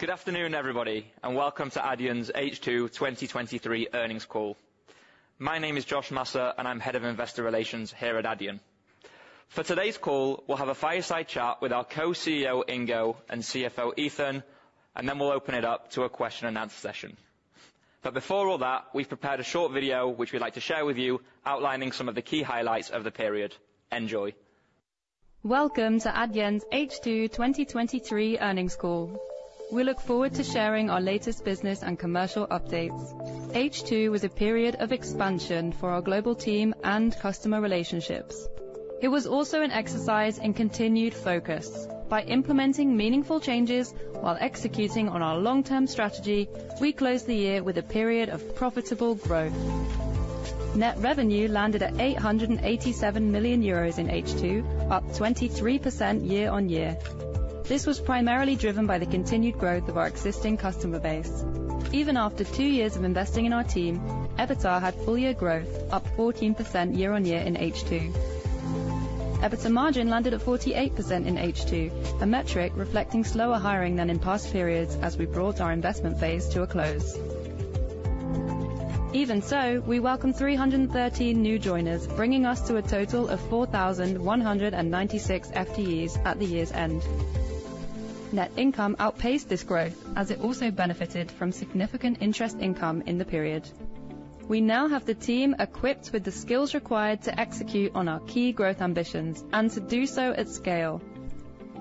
Good afternoon, everybody, and welcome to Adyen's H2 2023 earnings call. My name is Josh Masser, and I'm Head of Investor Relations here at Adyen. For today's call, we'll have a fireside chat with our co-CEO, Ingo, and CFO, Ethan, and then we'll open it up to a question and answer session. But before all that, we've prepared a short video, which we'd like to share with you, outlining some of the key highlights of the period. Enjoy! Welcome to Adyen's H2 2023 earnings call. We look forward to sharing our latest business and commercial updates. H2 was a period of expansion for our global team and customer relationships. It was also an exercise in continued focus. By implementing meaningful changes while executing on our long-term strategy, we closed the year with a period of profitable growth. Net revenue landed at 887 million euros in H2, up 23% year-over-year. This was primarily driven by the continued growth of our existing customer base. Even after two years of investing in our team, EBITDA had full year growth, up 14% year-over-year in H2. EBITDA margin landed at 48% in H2, a metric reflecting slower hiring than in past periods as we brought our investment phase to a close. Even so, we welcome 313 new joiners, bringing us to a total of 4,196 FTEs at the year's end. Net income outpaced this growth as it also benefited from significant interest income in the period. We now have the team equipped with the skills required to execute on our key growth ambitions and to do so at scale.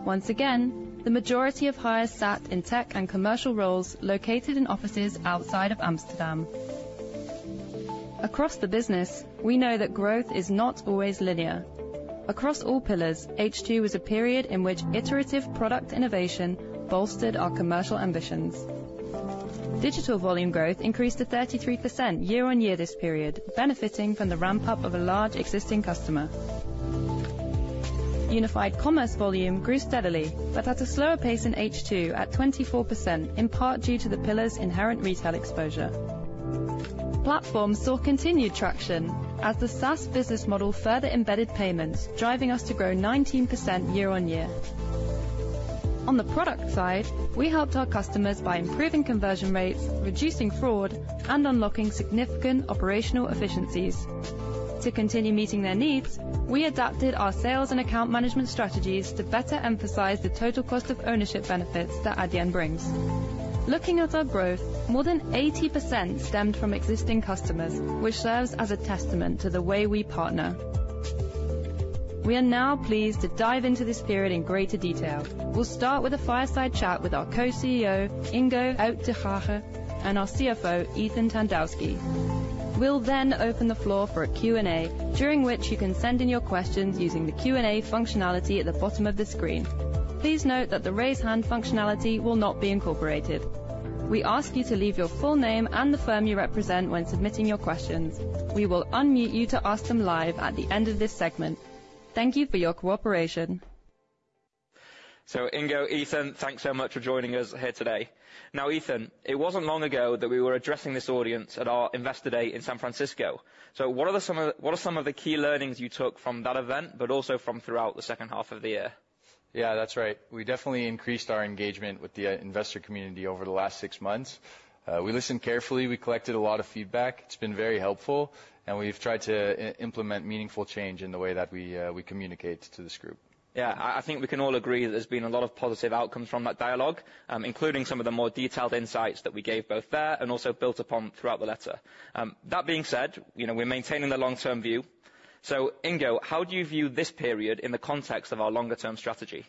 Once again, the majority of hires sat in tech and commercial roles located in offices outside of Amsterdam. Across the business, we know that growth is not always linear. Across all pillars, H2 was a period in which iterative product innovation bolstered our commercial ambitions. Digital volume growth increased to 33% year-on-year this period, benefiting from the ramp-up of a large existing customer. Unified commerce volume grew steadily, but at a slower pace in H2, at 24%, in part due to the pillar's inherent retail exposure. Platforms saw continued traction as the SaaS business model further embedded payments, driving us to grow 19% year-on-year. On the product side, we helped our customers by improving conversion rates, reducing fraud, and unlocking significant operational efficiencies. To continue meeting their needs, we adapted our sales and account management strategies to better emphasize the total cost of ownership benefits that Adyen brings. Looking at our growth, more than 80% stemmed from existing customers, which serves as a testament to the way we partner. We are now pleased to dive into this period in greater detail. We'll start with a fireside chat with our Co-CEO, Ingo Uytdehaage, and our CFO, Ethan Tandowsky. We'll then open the floor for a Q&A, during which you can send in your questions using the Q&A functionality at the bottom of the screen. Please note that the raise hand functionality will not be incorporated. We ask you to leave your full name and the firm you represent when submitting your questions. We will unmute you to ask them live at the end of this segment. Thank you for your cooperation. So, Ingo, Ethan, thanks so much for joining us here today. Now, Ethan, it wasn't long ago that we were addressing this audience at our Investor Day in San Francisco. So what are some of the key learnings you took from that event, but also from throughout the second half of the year? Yeah, that's right. We definitely increased our engagement with the investor community over the last six months. We listened carefully, we collected a lot of feedback. It's been very helpful, and we've tried to implement meaningful change in the way that we communicate to this group. Yeah, I think we can all agree there's been a lot of positive outcomes from that dialogue, including some of the more detailed insights that we gave both there and also built upon throughout the letter. That being said, you know, we're maintaining the long-term view. So, Ingo, how do you view this period in the context of our longer-term strategy?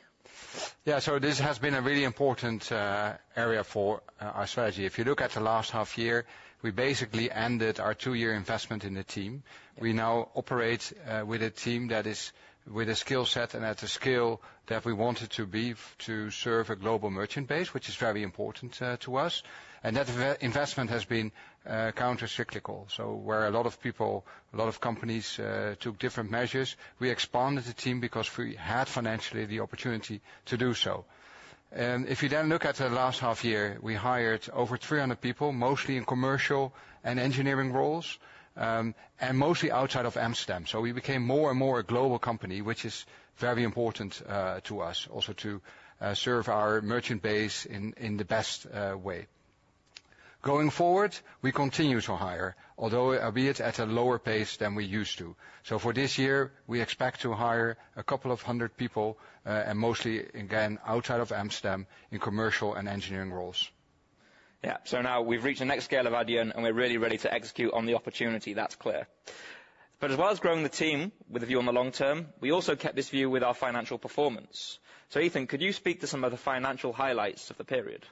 Yeah, so this has been a really important area for our strategy. If you look at the last half year, we basically ended our 2-year investment in the team. We now operate with a team that is with a skill set and at a scale that we wanted to be to serve a global merchant base, which is very important to us. And that investment has been countercyclical. So where a lot of people, a lot of companies took different measures, we expanded the team because we had financially the opportunity to do so. If you then look at the last half year, we hired over 300 people, mostly in commercial and engineering roles, and mostly outside of Amsterdam. We became more and more a global company, which is very important to us, also to serve our merchant base in the best way. Going forward, we continue to hire, albeit at a lower pace than we used to. For this year, we expect to hire 200 people, and mostly, again, outside of Amsterdam in commercial and engineering roles. Yeah. So now we've reached the next scale of Adyen, and we're really ready to execute on the opportunity, that's clear. But as well as growing the team with a view on the long term, we also kept this view with our financial performance. So, Ethan, could you speak to some of the financial highlights of the period?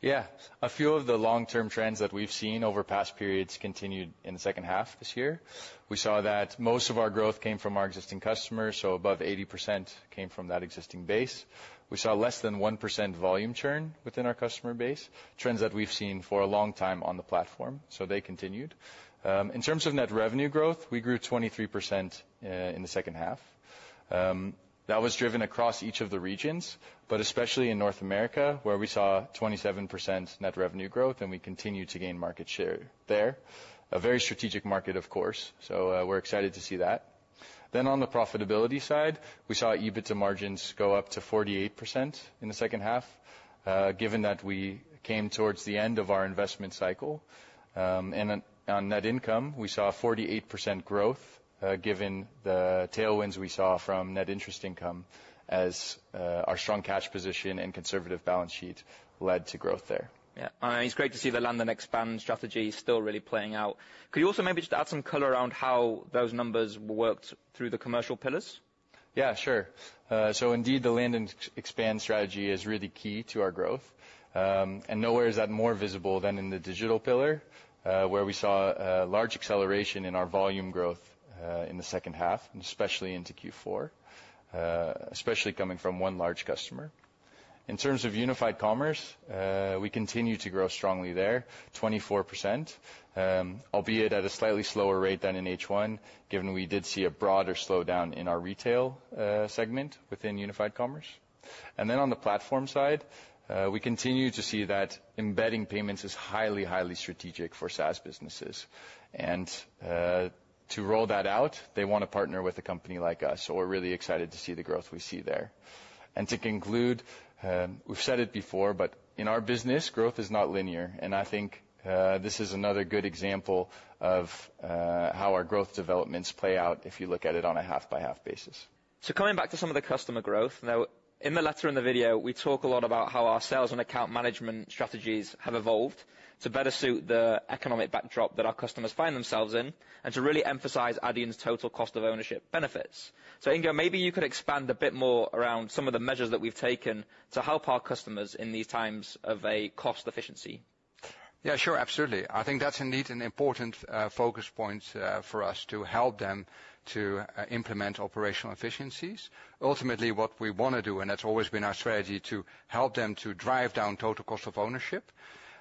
Yeah. A few of the long-term trends that we've seen over past periods continued in the second half this year. We saw that most of our growth came from our existing customers, so above 80% came from that existing base. We saw less than 1% volume churn within our customer base, trends that we've seen for a long time on the platform, so they continued. In terms of net revenue growth, we grew 23% in the second half. That was driven across each of the regions, but especially in North America, where we saw 27% net revenue growth, and we continued to gain market share there. A very strategic market, of course, so we're excited to see that. Then, on the profitability side, we saw EBITDA margins go up to 48% in the second half, given that we came towards the end of our investment cycle. And on net income, we saw 48% growth, given the tailwinds we saw from net interest income, as our strong cash position and conservative balance sheet led to growth there. Yeah. It's great to see the land and expand strategy still really playing out. Could you also maybe just add some color around how those numbers worked through the commercial pillars?... Yeah, sure. So indeed, the land and expand strategy is really key to our growth. And nowhere is that more visible than in the digital pillar, where we saw a large acceleration in our volume growth, in the second half, and especially into Q4, especially coming from one large customer. In terms of unified commerce, we continue to grow strongly there, 24%, albeit at a slightly slower rate than in H1, given we did see a broader slowdown in our retail segment within unified commerce. And then on the platform side, we continue to see that embedding payments is highly, highly strategic for SaaS businesses. And, to roll that out, they want to partner with a company like us, so we're really excited to see the growth we see there. To conclude, we've said it before, but in our business, growth is not linear, and I think this is another good example of how our growth developments play out if you look at it on a half-by-half basis. Coming back to some of the customer growth, now, in the letter and the video, we talk a lot about how our sales and account management strategies have evolved to better suit the economic backdrop that our customers find themselves in, and to really emphasize Adyen's total cost of ownership benefits. Ingo, maybe you could expand a bit more around some of the measures that we've taken to help our customers in these times of a cost efficiency. Yeah, sure. Absolutely. I think that's indeed an important focus point for us to help them implement operational efficiencies. Ultimately, what we wanna do, and that's always been our strategy, to help them drive down total cost of ownership.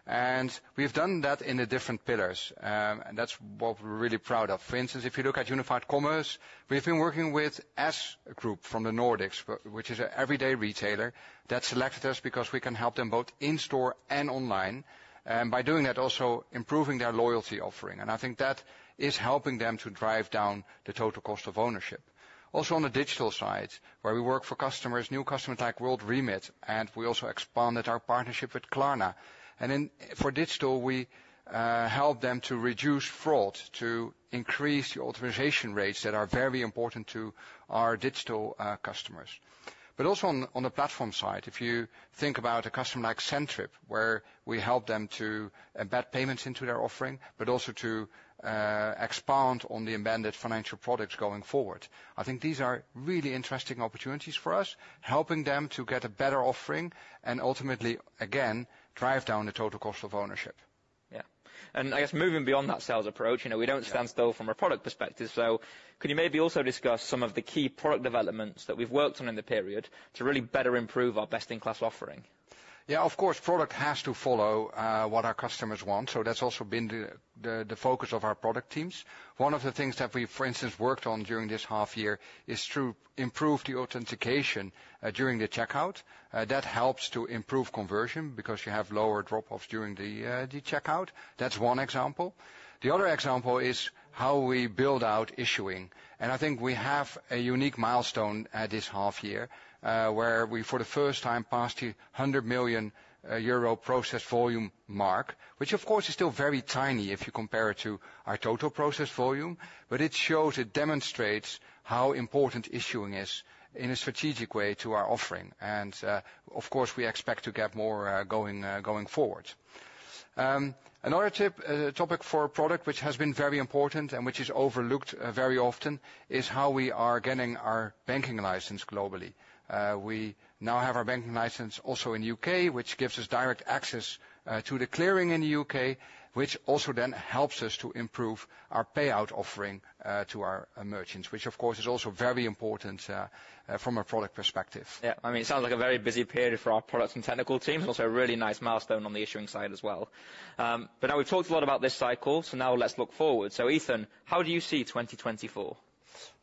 And we've done that in the different pillars. And that's what we're really proud of. For instance, if you look at unified commerce, we've been working with S Group from the Nordics, which is an everyday retailer, that selected us because we can help them both in store and online, and by doing that, also improving their loyalty offering. And I think that is helping them drive down the total cost of ownership. Also, on the digital side, where we work for customers, new customer like WorldRemit, and we also expanded our partnership with Klarna. And in... For digital, we help them to reduce fraud, to increase the authorization rates that are very important to our digital customers. But also on the platform side, if you think about a customer like Centtrip, where we help them to embed payments into their offering, but also to expand on the embedded financial products going forward. I think these are really interesting opportunities for us, helping them to get a better offering, and ultimately, again, drive down the total cost of ownership. Yeah. And I guess moving beyond that sales approach, you know, we don't- Yeah... stand still from a product perspective. Could you maybe also discuss some of the key product developments that we've worked on in the period to really better improve our best-in-class offering? Yeah, of course, product has to follow what our customers want, so that's also been the focus of our product teams. One of the things that we, for instance, worked on during this half year is to improve the authentication during the checkout. That helps to improve conversion, because you have lower drop-offs during the checkout. That's one example. The other example is how we build out issuing, and I think we have a unique milestone at this half year, where we, for the first time, passed the 100 million euro processed volume mark, which of course, is still very tiny if you compare it to our total processed volume. But it shows, it demonstrates how important issuing is in a strategic way to our offering. Of course, we expect to get more going forward. Another topic for product, which has been very important and which is overlooked very often, is how we are getting our banking license globally. We now have our banking license also in the U.K., which gives us direct access to the clearing in the U.K., which also then helps us to improve our payout offering to our merchants, which of course is also very important from a product perspective. Yeah. I mean, it sounds like a very busy period for our products and technical teams. Also a really nice milestone on the issuing side as well. But now we've talked a lot about this cycle, so now let's look forward. So Ethan, how do you see 2024?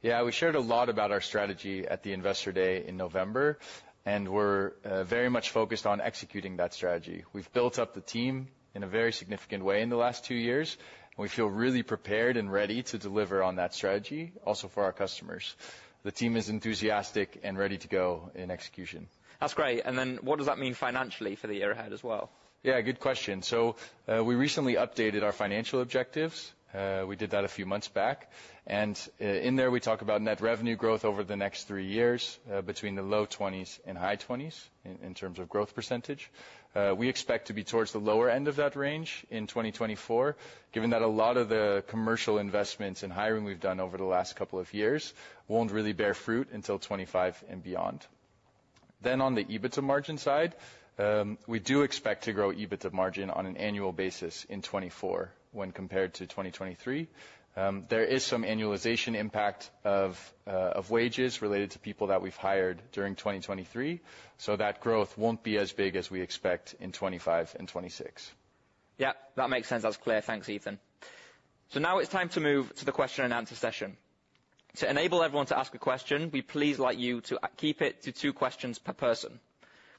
Yeah, we shared a lot about our strategy at the Investor Day in November, and we're very much focused on executing that strategy. We've built up the team in a very significant way in the last two years, and we feel really prepared and ready to deliver on that strategy, also for our customers. The team is enthusiastic and ready to go in execution. That's great. Then what does that mean financially for the year ahead as well? Yeah, good question. So, we recently updated our financial objectives. We did that a few months back, and, in there, we talk about net revenue growth over the next three years, between the low 20s and high 20s in terms of growth percentage. We expect to be towards the lower end of that range in 2024, given that a lot of the commercial investments and hiring we've done over the last couple of years won't really bear fruit until 2025 and beyond. Then on the EBITDA margin side, we do expect to grow EBITDA margin on an annual basis in 2024 when compared to 2023. There is some annualization impact of wages related to people that we've hired during 2023, so that growth won't be as big as we expect in 2025 and 2026. Yeah, that makes sense. That's clear. Thanks, Ethan. So now it's time to move to the question and answer session. To enable everyone to ask a question, we please like you to keep it to two questions per person.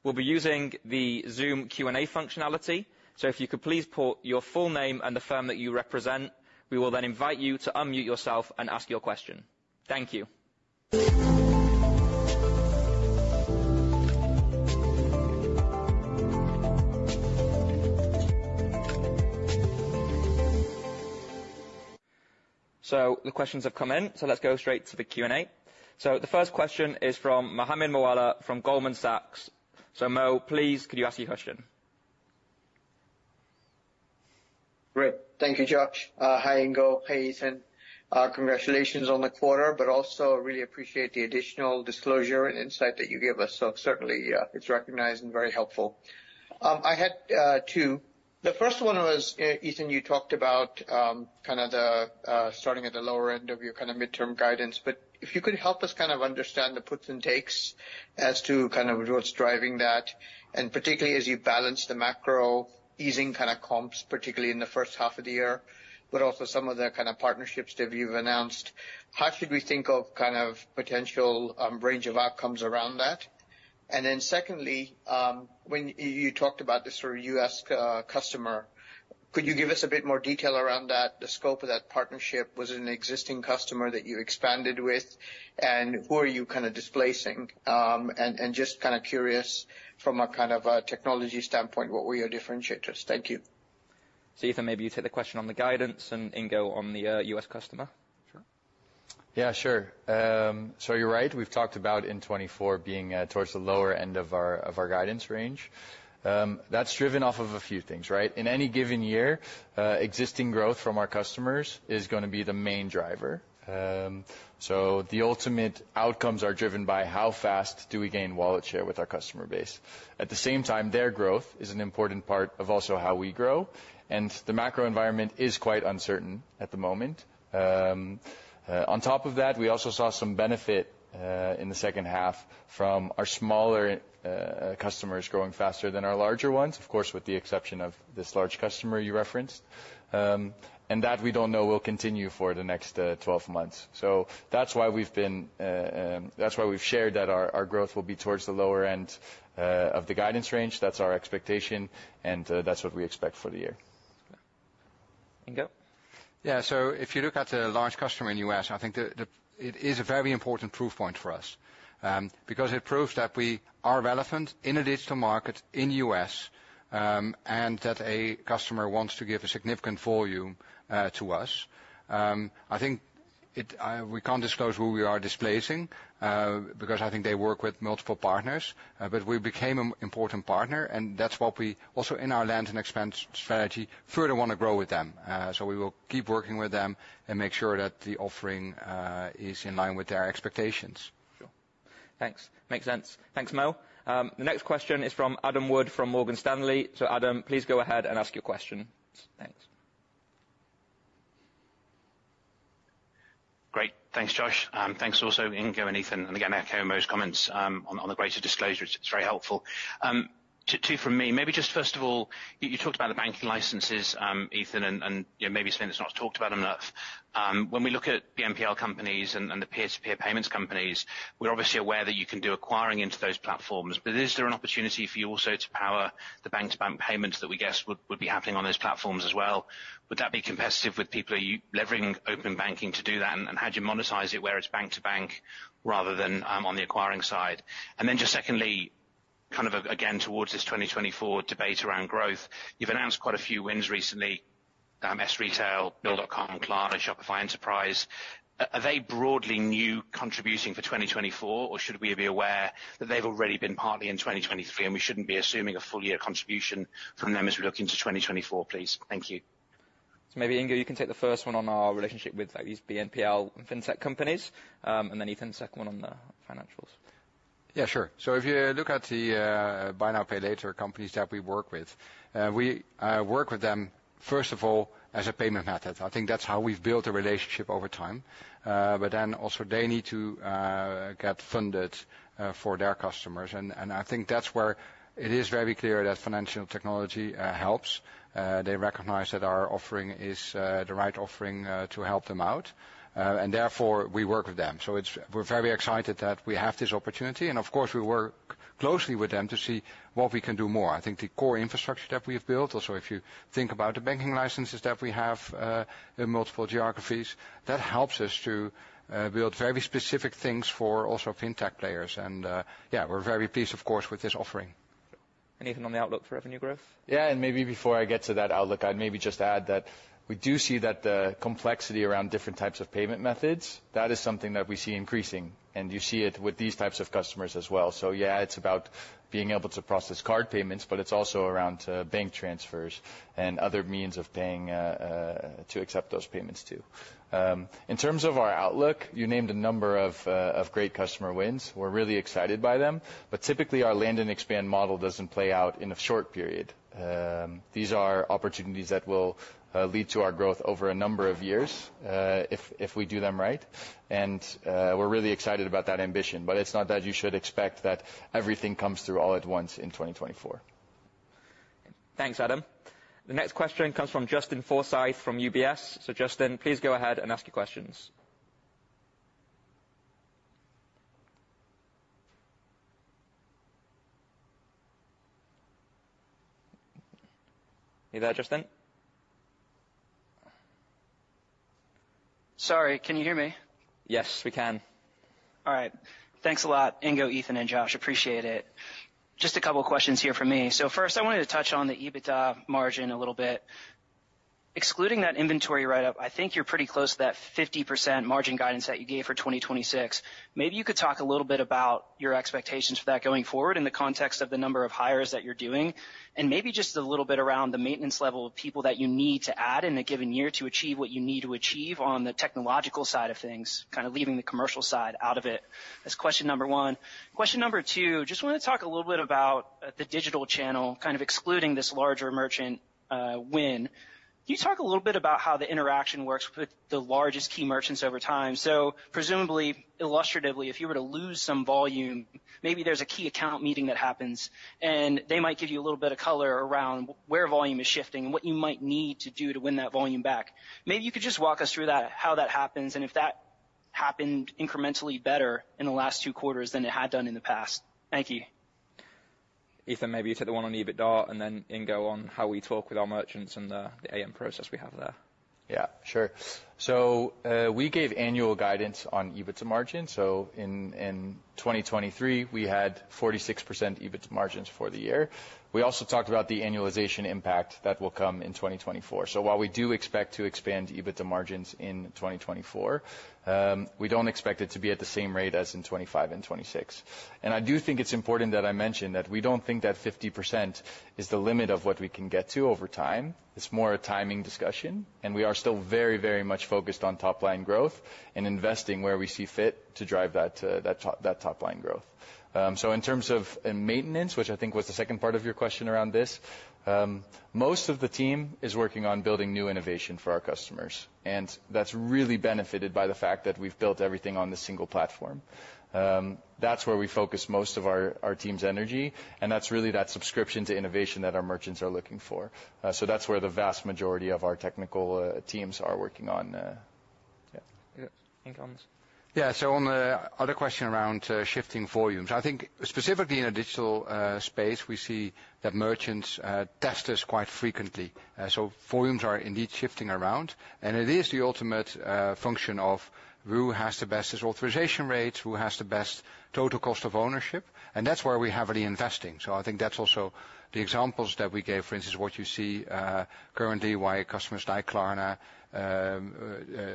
We'll be using the Zoom Q&A functionality, so if you could please put your full name and the firm that you represent, we will then invite you to unmute yourself and ask your question. Thank you. So the questions have come in, so let's go straight to the Q&A. So the first question is from Mohammed Moawalla from Goldman Sachs. So Mo, please, could you ask your question? Thank you, Josh. Hi, Ingo. Hi, Ethan. Congratulations on the quarter, but also really appreciate the additional disclosure and insight that you gave us. So certainly, it's recognized and very helpful. I had two. The first one was, Ethan, you talked about kind of the starting at the lower end of your kind of midterm guidance, but if you could help us kind of understand the puts and takes as to kind of what's driving that, and particularly as you balance the macro easing kind of comps, particularly in the first half of the year, but also some of the kind of partnerships that you've announced. How should we think of kind of potential range of outcomes around that? And then secondly, when you talked about the sort of U.S. customer, could you give us a bit more detail around that, the scope of that partnership? Was it an existing customer that you expanded with? And who are you kind of displacing? And just kind of curious from a kind of a technology standpoint, what were your differentiators? Thank you. So, Ethan, maybe you take the question on the guidance and Ingo on the US customer. Sure. Yeah, sure. So you're right, we've talked about in 2024 being towards the lower end of our, of our guidance range. That's driven off of a few things, right? In any given year, existing growth from our customers is gonna be the main driver. So the ultimate outcomes are driven by how fast do we gain wallet share with our customer base. At the same time, their growth is an important part of also how we grow, and the macro environment is quite uncertain at the moment. On top of that, we also saw some benefit in the second half from our smaller customers growing faster than our larger ones. Of course, with the exception of this large customer you referenced, and that we don't know will continue for the next 12 months. So that's why we've been. That's why we've shared that our growth will be towards the lower end of the guidance range. That's our expectation, and that's what we expect for the year. Ingo? Yeah, so if you look at the large customer in U.S., I think it is a very important proof point for us, because it proves that we are relevant in a digital market in U.S., and that a customer wants to give a significant volume to us. We can't disclose who we are displacing, because I think they work with multiple partners, but we became an important partner, and that's what we also, in our land and expand strategy, further want to grow with them. So we will keep working with them and make sure that the offering is in line with their expectations. Sure. Thanks. Makes sense. Thanks, Mo. The next question is from Adam Wood, from Morgan Stanley. So Adam, please go ahead and ask your question. Thanks. Great. Thanks, Josh. Thanks also, Ingo and Ethan, and again, I echo Mo's comments on the greater disclosure. It's very helpful. Two from me. Maybe just first of all, you talked about the banking licenses, Ethan, and, you know, maybe something that's not talked about enough. When we look at the BNPL companies and the peer-to-peer payments companies, we're obviously aware that you can do acquiring into those platforms. But is there an opportunity for you also to power the bank-to-bank payments that we guess would be happening on those platforms as well? Would that be competitive with people? Are you leveraging open banking to do that, and how do you monetize it, where it's bank to bank rather than on the acquiring side? And then just secondly, kind of, again, towards this 2024 debate around growth, you've announced quite a few wins recently, S Group, Bill.com, Klarna, and Shopify Enterprise. Are they broadly new contributing for 2024, or should we be aware that they've already been partly in 2023, and we shouldn't be assuming a full year contribution from them as we look into 2024, please? Thank you. Maybe, Ingo, you can take the first one on our relationship with these BNPL fintech companies, and then Ethan, second one on the financials. Yeah, sure. So if you look at the buy now, pay later companies that we work with, we work with them, first of all, as a payment method. I think that's how we've built a relationship over time. But then also they need to get funded for their customers. And I think that's where it is very clear that financial technology helps. They recognize that our offering is the right offering to help them out, and therefore we work with them. So we're very excited that we have this opportunity, and of course, we work closely with them to see what we can do more. I think the core infrastructure that we've built, also, if you think about the banking licenses that we have in multiple geographies, that helps us to build very specific things for also fintech players. And yeah, we're very pleased, of course, with this offering. Ethan, on the outlook for revenue growth? Yeah, and maybe before I get to that outlook, I'd maybe just add that we do see that the complexity around different types of payment methods, that is something that we see increasing, and you see it with these types of customers as well. So yeah, it's about being able to process card payments, but it's also around bank transfers and other means of paying to accept those payments too. In terms of our outlook, you named a number of, of great customer wins. We're really excited by them, but typically our land and expand model doesn't play out in a short period. These are opportunities that will lead to our growth over a number of years, if we do them right. We're really excited about that ambition, but it's not that you should expect that everything comes through all at once in 2024. Thanks, Adam. The next question comes from Justin Sherwood-Forsythe from UBS. So Justin, please go ahead and ask your questions. You there, Justin? Sorry, can you hear me? Yes, we can. All right. Thanks a lot, Ingo, Ethan, and Josh. Appreciate it. Just a couple of questions here from me. So first, I wanted to touch on the EBITDA margin a little bit... excluding that inventory write-up, I think you're pretty close to that 50% margin guidance that you gave for 2026. Maybe you could talk a little bit about your expectations for that going forward in the context of the number of hires that you're doing, and maybe just a little bit around the maintenance level of people that you need to add in a given year to achieve what you need to achieve on the technological side of things, kind of leaving the commercial side out of it. That's question number 1. Question number 2, just wanna talk a little bit about the digital channel, kind of excluding this larger merchant win. Can you talk a little bit about how the interaction works with the largest key merchants over time? So presumably, illustratively, if you were to lose some volume, maybe there's a key account meeting that happens, and they might give you a little bit of color around where volume is shifting and what you might need to do to win that volume back. Maybe you could just walk us through that, how that happens, and if that happened incrementally better in the last two quarters than it had done in the past. Thank you. Ethan, maybe you take the one on EBITDA, and then, and go on how we talk with our merchants and the AM process we have there. Yeah, sure. So we gave annual guidance on EBITDA margins. So in 2023, we had 46% EBITDA margins for the year. We also talked about the annualization impact that will come in 2024. So while we do expect to expand EBITDA margins in 2024, we don't expect it to be at the same rate as in 2025 and 2026. And I do think it's important that I mention that we don't think that 50% is the limit of what we can get to over time. It's more a timing discussion, and we are still very, very much focused on top line growth and investing where we see fit to drive that top line growth. So in terms of maintenance, which I think was the second part of your question around this, most of the team is working on building new innovation for our customers, and that's really benefited by the fact that we've built everything on the single platform. That's where we focus most of our team's energy, and that's really that subscription to innovation that our merchants are looking for. So that's where the vast majority of our technical teams are working on. Yeah. Ingo on this. Yeah. So on the other question around shifting volumes, I think specifically in a digital space, we see that merchants test us quite frequently. So volumes are indeed shifting around, and it is the ultimate function of who has the best authorization rates, who has the best total cost of ownership, and that's where we have really investing. So I think that's also the examples that we gave. For instance, what you see currently, why customers like Klarna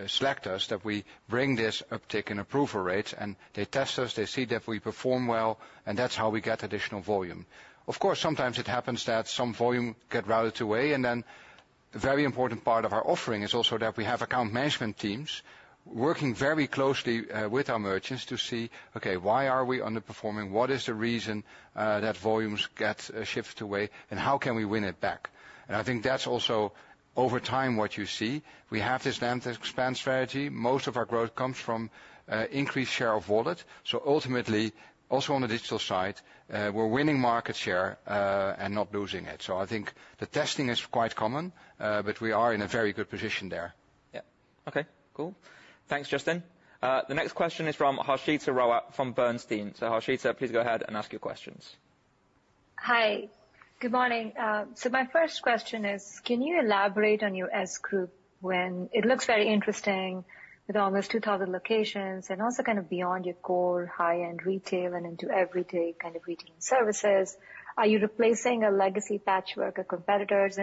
select us, that we bring this uptick in approval rates, and they test us, they see that we perform well, and that's how we get additional volume. Of course, sometimes it happens that some volume get routed away, and then a very important part of our offering is also that we have account management teams working very closely with our merchants to see, okay, why are we underperforming? What is the reason that volumes get shifted away, and how can we win it back? And I think that's also over time, what you see. We have this land to expand strategy. Most of our growth comes from increased share of wallet. So ultimately, also on the digital side, we're winning market share and not losing it. So I think the testing is quite common, but we are in a very good position there. Yeah. Okay, cool. Thanks, Justin. The next question is from Harshita Rawat, from Bernstein. So, Harshita, please go ahead and ask your questions. Hi, good morning. My first question is, can you elaborate on your S Group when it looks very interesting with almost 2,000 locations, and also kind of beyond your core high-end retail and into everyday kind of retail services? Are you replacing a legacy patchwork of competitors?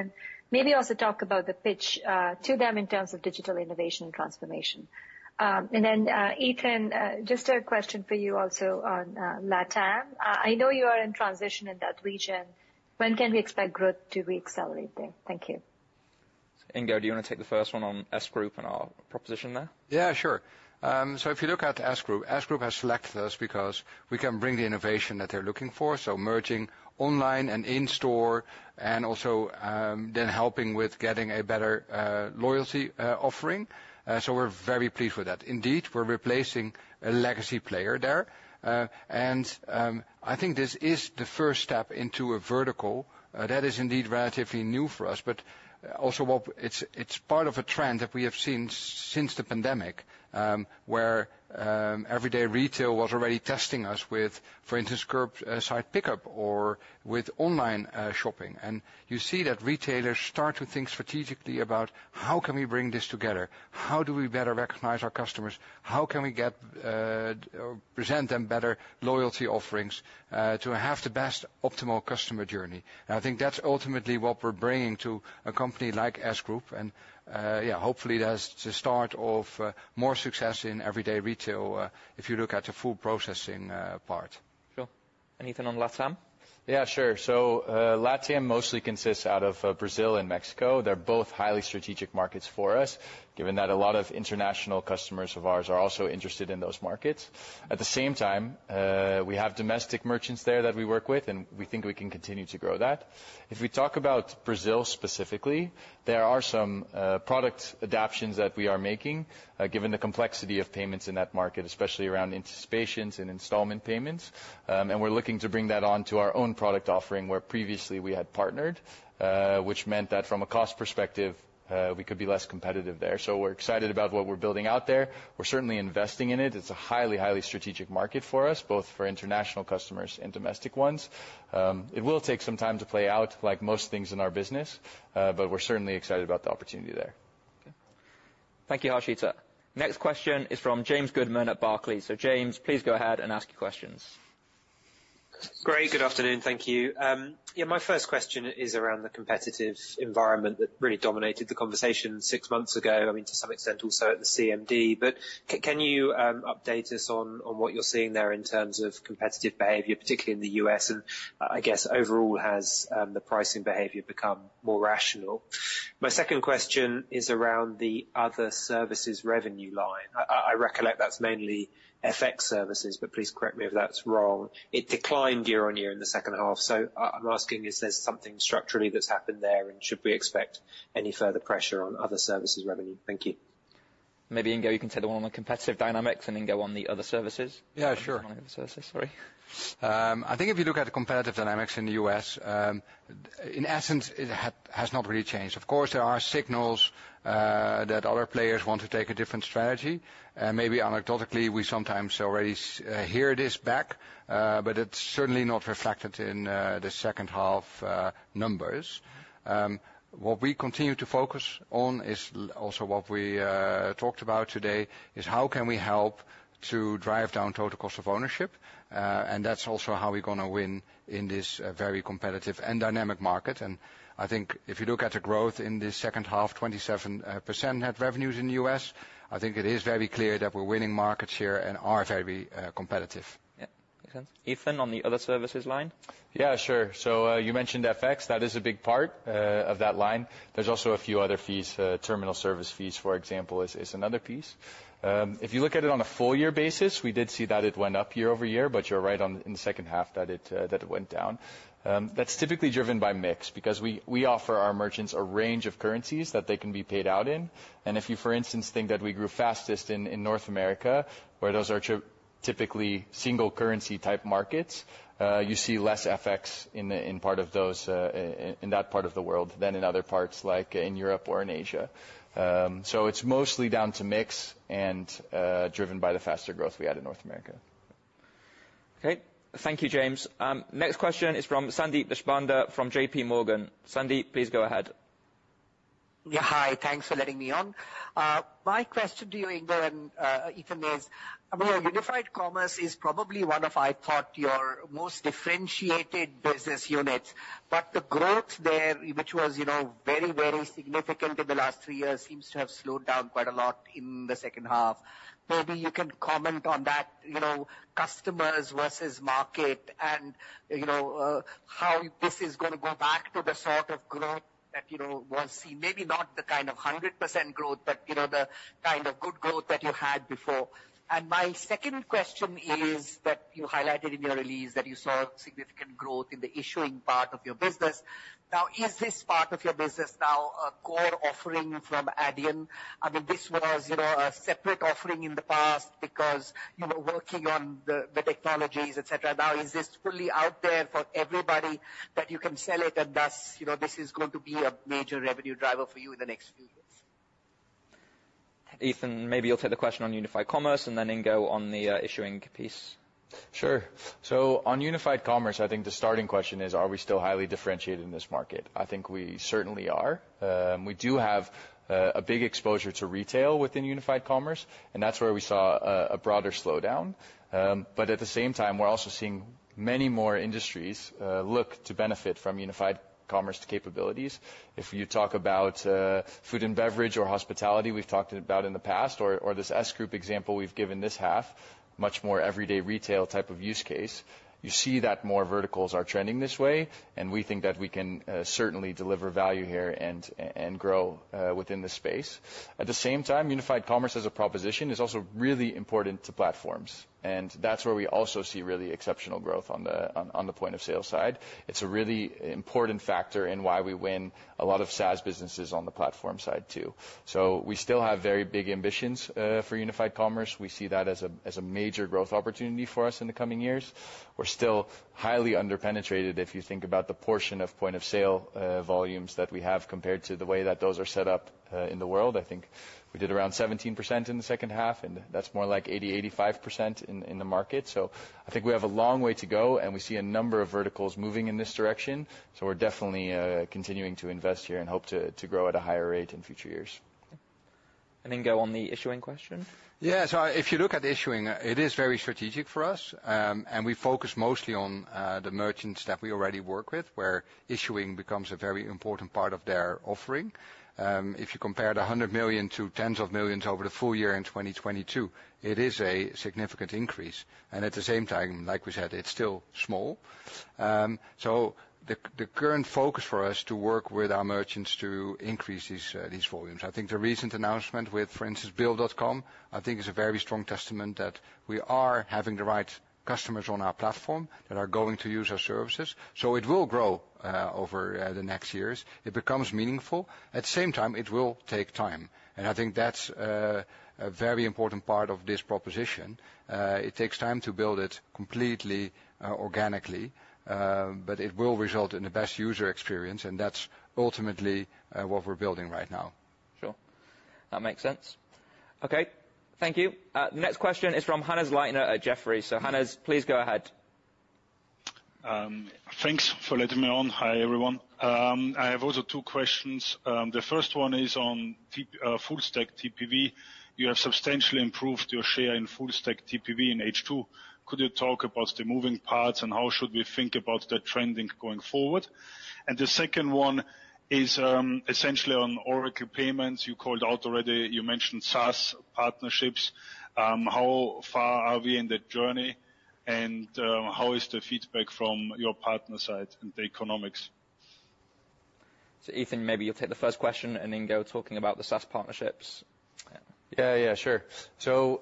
Maybe also talk about the pitch to them in terms of digital innovation and transformation. Then, Ethan, just a question for you also on Latam. I know you are in transition in that region. When can we expect growth to re-accelerate there? Thank you. Ingo, do you want to take the first one on S Group and our proposition there? Yeah, sure. So if you look at the S Group, S Group has selected us because we can bring the innovation that they're looking for, so merging online and in-store, and also, then helping with getting a better, loyalty, offering. So we're very pleased with that. Indeed, we're replacing a legacy player there. I think this is the first step into a vertical, that is indeed relatively new for us, but also it's part of a trend that we have seen since the pandemic, where everyday retail was already testing us with, for instance, curbside pickup or with online, shopping. And you see that retailers start to think strategically about: How can we bring this together? How do we better recognize our customers? How can we get or present them better loyalty offerings to have the best optimal customer journey? I think that's ultimately what we're bringing to a company like S Group, and yeah, hopefully that's the start of more success in everyday retail if you look at the full processing part. Sure. And Ethan, on Latam. Yeah, sure. So, Latam mostly consists out of, Brazil and Mexico. They're both highly strategic markets for us, given that a lot of international customers of ours are also interested in those markets. At the same time, we have domestic merchants there that we work with, and we think we can continue to grow that. If we talk about Brazil specifically, there are some, product adaptations that we are making, given the complexity of payments in that market, especially around anticipations and installment payments. And we're looking to bring that onto our own product offering, where previously we had partnered, which meant that from a cost perspective, we could be less competitive there. So we're excited about what we're building out there. We're certainly investing in it. It's a highly, highly strategic market for us, both for international customers and domestic ones. It will take some time to play out, like most things in our business, but we're certainly excited about the opportunity there.... Thank you, Harshita. Next question is from James Goodman at Barclays. So James, please go ahead and ask your questions. Great, good afternoon. Thank you. Yeah, my first question is around the competitive environment that really dominated the conversation six months ago. I mean, to some extent, also at the CMD, but can you update us on what you're seeing there in terms of competitive behavior, particularly in the U.S.? And I guess, overall, has the pricing behavior become more rational? My second question is around the other services revenue line. I recollect that's mainly FX services, but please correct me if that's wrong. It declined year-on-year in the second half, so I'm asking, is there something structurally that's happened there, and should we expect any further pressure on other services revenue? Thank you. Maybe, Ingo, you can take the one on the competitive dynamics, and then go on the other services. Yeah, sure. Sorry. I think if you look at the competitive dynamics in the U.S., in essence, it has not really changed. Of course, there are signals that other players want to take a different strategy, and maybe anecdotally, we sometimes already hear this back, but it's certainly not reflected in the second half numbers. What we continue to focus on is also what we talked about today, is how can we help to drive down total cost of ownership? And that's also how we're gonna win in this very competitive and dynamic market. And I think if you look at the growth in the second half, 27% net revenues in the U.S., I think it is very clear that we're winning markets here and are very competitive. Yeah. Ethan, on the other services line? Yeah, sure. So, you mentioned FX, that is a big part of that line. There's also a few other fees, terminal service fees, for example, is another piece. If you look at it on a full year basis, we did see that it went up year-over-year, but you're right on, in the second half, that it went down. That's typically driven by mix, because we offer our merchants a range of currencies that they can be paid out in, and if you, for instance, think that we grew fastest in North America, where those are typically single currency type markets, you see less FX in part of those in that part of the world than in other parts, like in Europe or in Asia. It's mostly down to mix and driven by the faster growth we had in North America. Okay. Thank you, James. Next question is from Sandeep Deshpande, from J.P. Morgan. Sandeep, please go ahead. Yeah, hi. Thanks for letting me on. My question to you, Ingo, and Ethan, is, I mean, Unified Commerce is probably one of, I thought, your most differentiated business units, but the growth there, which was, you know, very, very significant in the last three years, seems to have slowed down quite a lot in the second half. Maybe you can comment on that, you know, customers versus market and, you know, how this is gonna go back to the sort of growth that, you know, was seen, maybe not the kind of 100% growth, but, you know, the kind of good growth that you had before. And my second question is that you highlighted in your release that you saw significant growth in the issuing part of your business. Now, is this part of your business now a core offering from Adyen? I mean, this was, you know, a separate offering in the past because you were working on the technologies, et cetera. Now, is this fully out there for everybody, that you can sell it, and thus, you know, this is going to be a major revenue driver for you in the next few years? Ethan, maybe you'll take the question on Unified Commerce and then Ingo on the Issuing piece. Sure. So on Unified Commerce, I think the starting question is, are we still highly differentiated in this market? I think we certainly are. We do have a big exposure to retail within Unified Commerce, and that's where we saw a broader slowdown. But at the same time, we're also seeing many more industries look to benefit from Unified Commerce capabilities. If you talk about food and beverage or hospitality, we've talked about in the past or this S Group example we've given this half, much more everyday retail type of use case, you see that more verticals are trending this way, and we think that we can certainly deliver value here and grow within the space. At the same time, Unified Commerce as a proposition is also really important to platforms, and that's where we also see really exceptional growth on the point of sale side. It's a really important factor in why we win a lot of SaaS businesses on the platform side, too. So we still have very big ambitions for Unified Commerce. We see that as a major growth opportunity for us in the coming years. We're still highly under-penetrated, if you think about the portion of point of sale volumes that we have, compared to the way that those are set up in the world. I think we did around 17% in the second half, and that's more like 80%-85% in the market. I think we have a long way to go, and we see a number of verticals moving in this direction. We're definitely continuing to invest here and hope to grow at a higher rate in future years. Ingo, on the issuing question? Yeah, so if you look at issuing, it is very strategic for us, and we focus mostly on the merchants that we already work with, where issuing becomes a very important part of their offering. If you compare 100 million to EUR tens of millions over the full year in 2022, it is a significant increase, and at the same time, like we said, it's still small. So the current focus for us to work with our merchants to increase these volumes. I think the recent announcement with, for instance, Bill.com, I think is a very strong testament that we are having the right customers on our platform that are going to use our services. So it will grow over the next years. It becomes meaningful. At the same time, it will take time, and I think that's a very important part of this proposition. It takes time to build it completely, organically, but it will result in the best user experience, and that's ultimately what we're building right now. Sure. That makes sense. Okay, thank you. The next question is from Hannes Leitner at Jefferies. So Hannes, please go ahead.... Thanks for letting me on. Hi, everyone. I have also two questions. The first one is on full stack TPV. You have substantially improved your share in full stack TPV in H2. Could you talk about the moving parts, and how should we think about the trending going forward? And the second one is, essentially on Oracle payments. You called out already, you mentioned SaaS partnerships. How far are we in that journey, and, how is the feedback from your partner side and the economics? So, Ethan, maybe you'll take the first question and then go talking about the SaaS partnerships. Yeah, yeah, sure. So,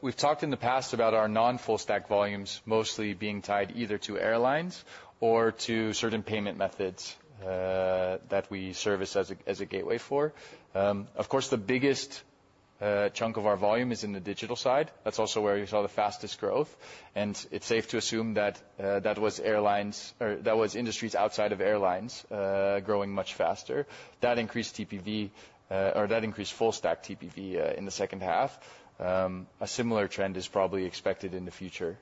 we've talked in the past about our non-full stack volumes, mostly being tied either to airlines or to certain payment methods that we service as a gateway for. Of course, the biggest chunk of our volume is in the digital side. That's also where you saw the fastest growth, and it's safe to assume that that was airlines, or that was industries outside of airlines growing much faster. That increased TPV, or that increased full stack TPV, in the second half. A similar trend is probably expected in the future.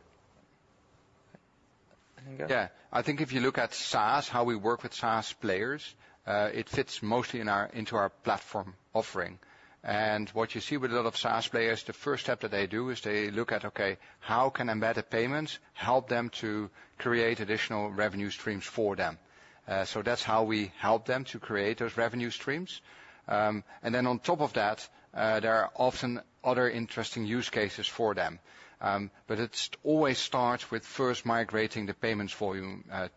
Ingo? Yeah. I think if you look at SaaS, how we work with SaaS players, it fits mostly in our, into our platform offering. And what you see with a lot of SaaS players, the first step that they do is they look at, okay, how can embedded payments help them to create additional revenue streams for them? So that's how we help them to create those revenue streams. And then on top of that, there are often other interesting use cases for them. But it's always starts with first migrating the payments volume at,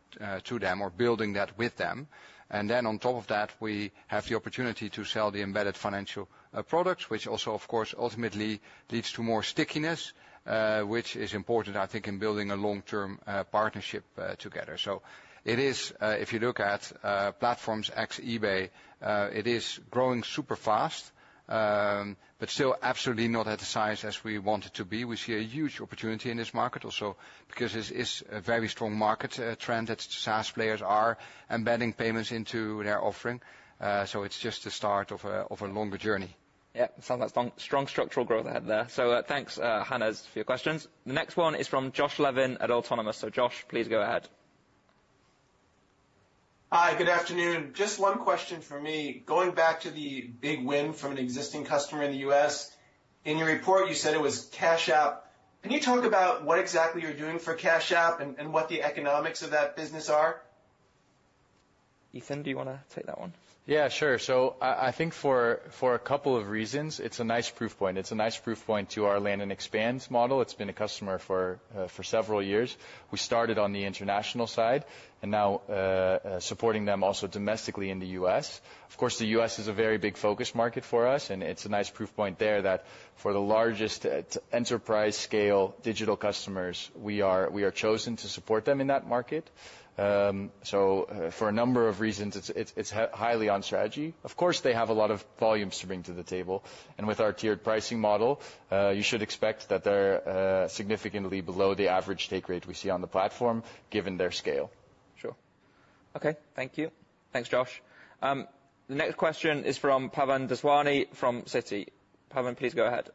to them or building that with them. And then on top of that, we have the opportunity to sell the embedded financial products, which also, of course, ultimately leads to more stickiness, which is important, I think, in building a long-term partnership together. So it is, if you look at platforms ex-eBay, it is growing super fast, but still absolutely not at the size as we want it to be. We see a huge opportunity in this market also, because it's a very strong market trend that SaaS players are embedding payments into their offering. So it's just the start of a longer journey. Yeah, sounds like strong, strong structural growth ahead there. So, thanks, Hannes, for your questions. The next one is from Josh Levin at Autonomous. So Josh, please go ahead. Hi, good afternoon. Just one question for me. Going back to the big win from an existing customer in the US, in your report, you said it was Cash App. Can you talk about what exactly you're doing for Cash App and what the economics of that business are? Ethan, do you wanna take that one? Yeah, sure. So I think for a couple of reasons, it's a nice proof point. It's a nice proof point to our land-and-expand model. It's been a customer for several years. We started on the international side and now supporting them also domestically in the U.S. Of course, the U.S. is a very big focus market for us, and it's a nice proof point there that for the largest at enterprise scale, digital customers, we are chosen to support them in that market. So for a number of reasons, it's highly on strategy. Of course, they have a lot of volumes to bring to the table, and with our tiered pricing model, you should expect that they're significantly below the average take rate we see on the platform, given their scale. Sure. Okay, thank you. Thanks, Josh. The next question is from Pavan Daswani from Citi. Pavan, please go ahead.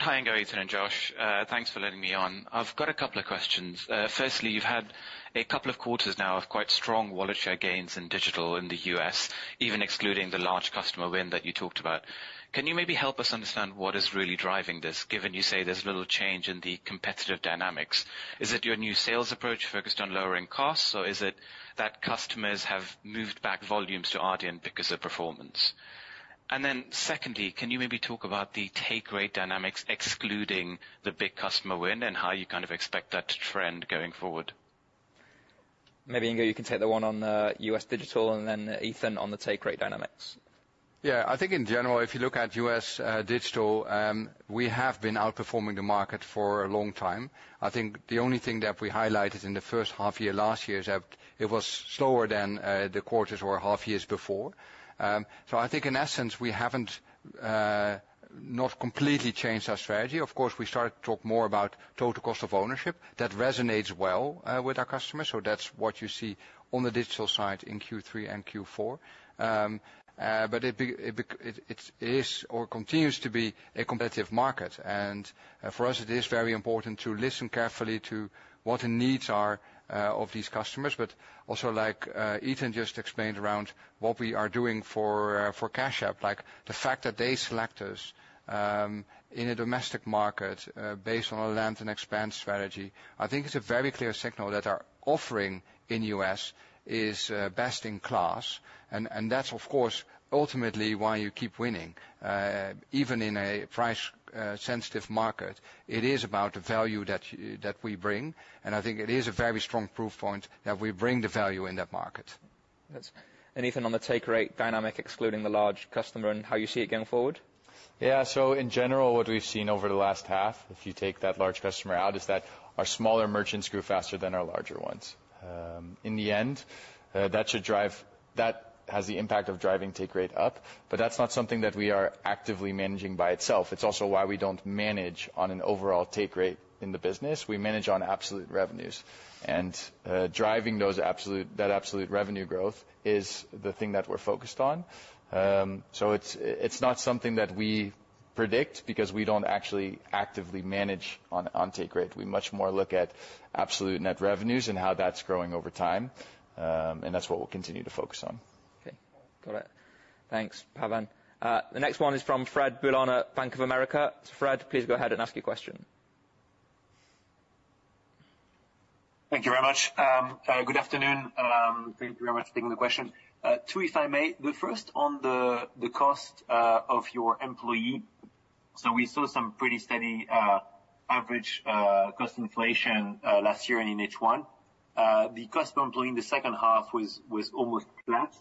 Hi, Ingo, Ethan, and Josh. Thanks for letting me on. I've got a couple of questions. Firstly, you've had a couple of quarters now of quite strong wallet share gains in digital in the U.S., even excluding the large customer win that you talked about. Can you maybe help us understand what is really driving this, given you say there's little change in the competitive dynamics? Is it your new sales approach focused on lowering costs, or is it that customers have moved back volumes to Adyen because of performance? And then secondly, can you maybe talk about the take rate dynamics, excluding the big customer win, and how you kind of expect that to trend going forward? Maybe, Ingo, you can take the one on U.S. digital and then Ethan on the take rate dynamics. Yeah. I think in general, if you look at U.S. digital, we have been outperforming the market for a long time. I think the only thing that we highlighted in the first half year, last year, is that it was slower than the quarters or half years before. So I think in essence, we haven't not completely changed our strategy. Of course, we started to talk more about total cost of ownership. That resonates well with our customers, so that's what you see on the digital side in Q3 and Q4. But it is or continues to be a competitive market, and for us, it is very important to listen carefully to what the needs are of these customers. But also, like, Ethan just explained around what we are doing for Cash App, like the fact that they select us in a domestic market based on a land-and-expand strategy. I think it's a very clear signal that our offering in the U.S. is best in class. And that's, of course, ultimately why you keep winning. Even in a price-sensitive market, it is about the value that we bring, and I think it is a very strong proof point that we bring the value in that market. Ethan, on the Take Rate dynamic, excluding the large customer, and how you see it going forward? Yeah, so in general, what we've seen over the last half, if you take that large customer out, is that our smaller merchants grew faster than our larger ones. In the end, that has the impact of driving take rate up, but that's not something that we are actively managing by itself. It's also why we don't manage on an overall take rate in the business. We manage on absolute revenues. And, driving that absolute revenue growth is the thing that we're focused on. So it's not something that we predict, because we don't actually actively manage on take rate. We much more look at absolute net revenues and how that's growing over time, and that's what we'll continue to focus on. Okay, got it. Thanks, Pawan. The next one is from Fred Boulan at Bank of America. So Fred, please go ahead and ask your question. Thank you very much. Good afternoon. Thank you very much for taking the question. Two, if I may: the first on the cost of your employee. So we saw some pretty steady average cost inflation last year and in H1. The cost per employee in the second half was almost flat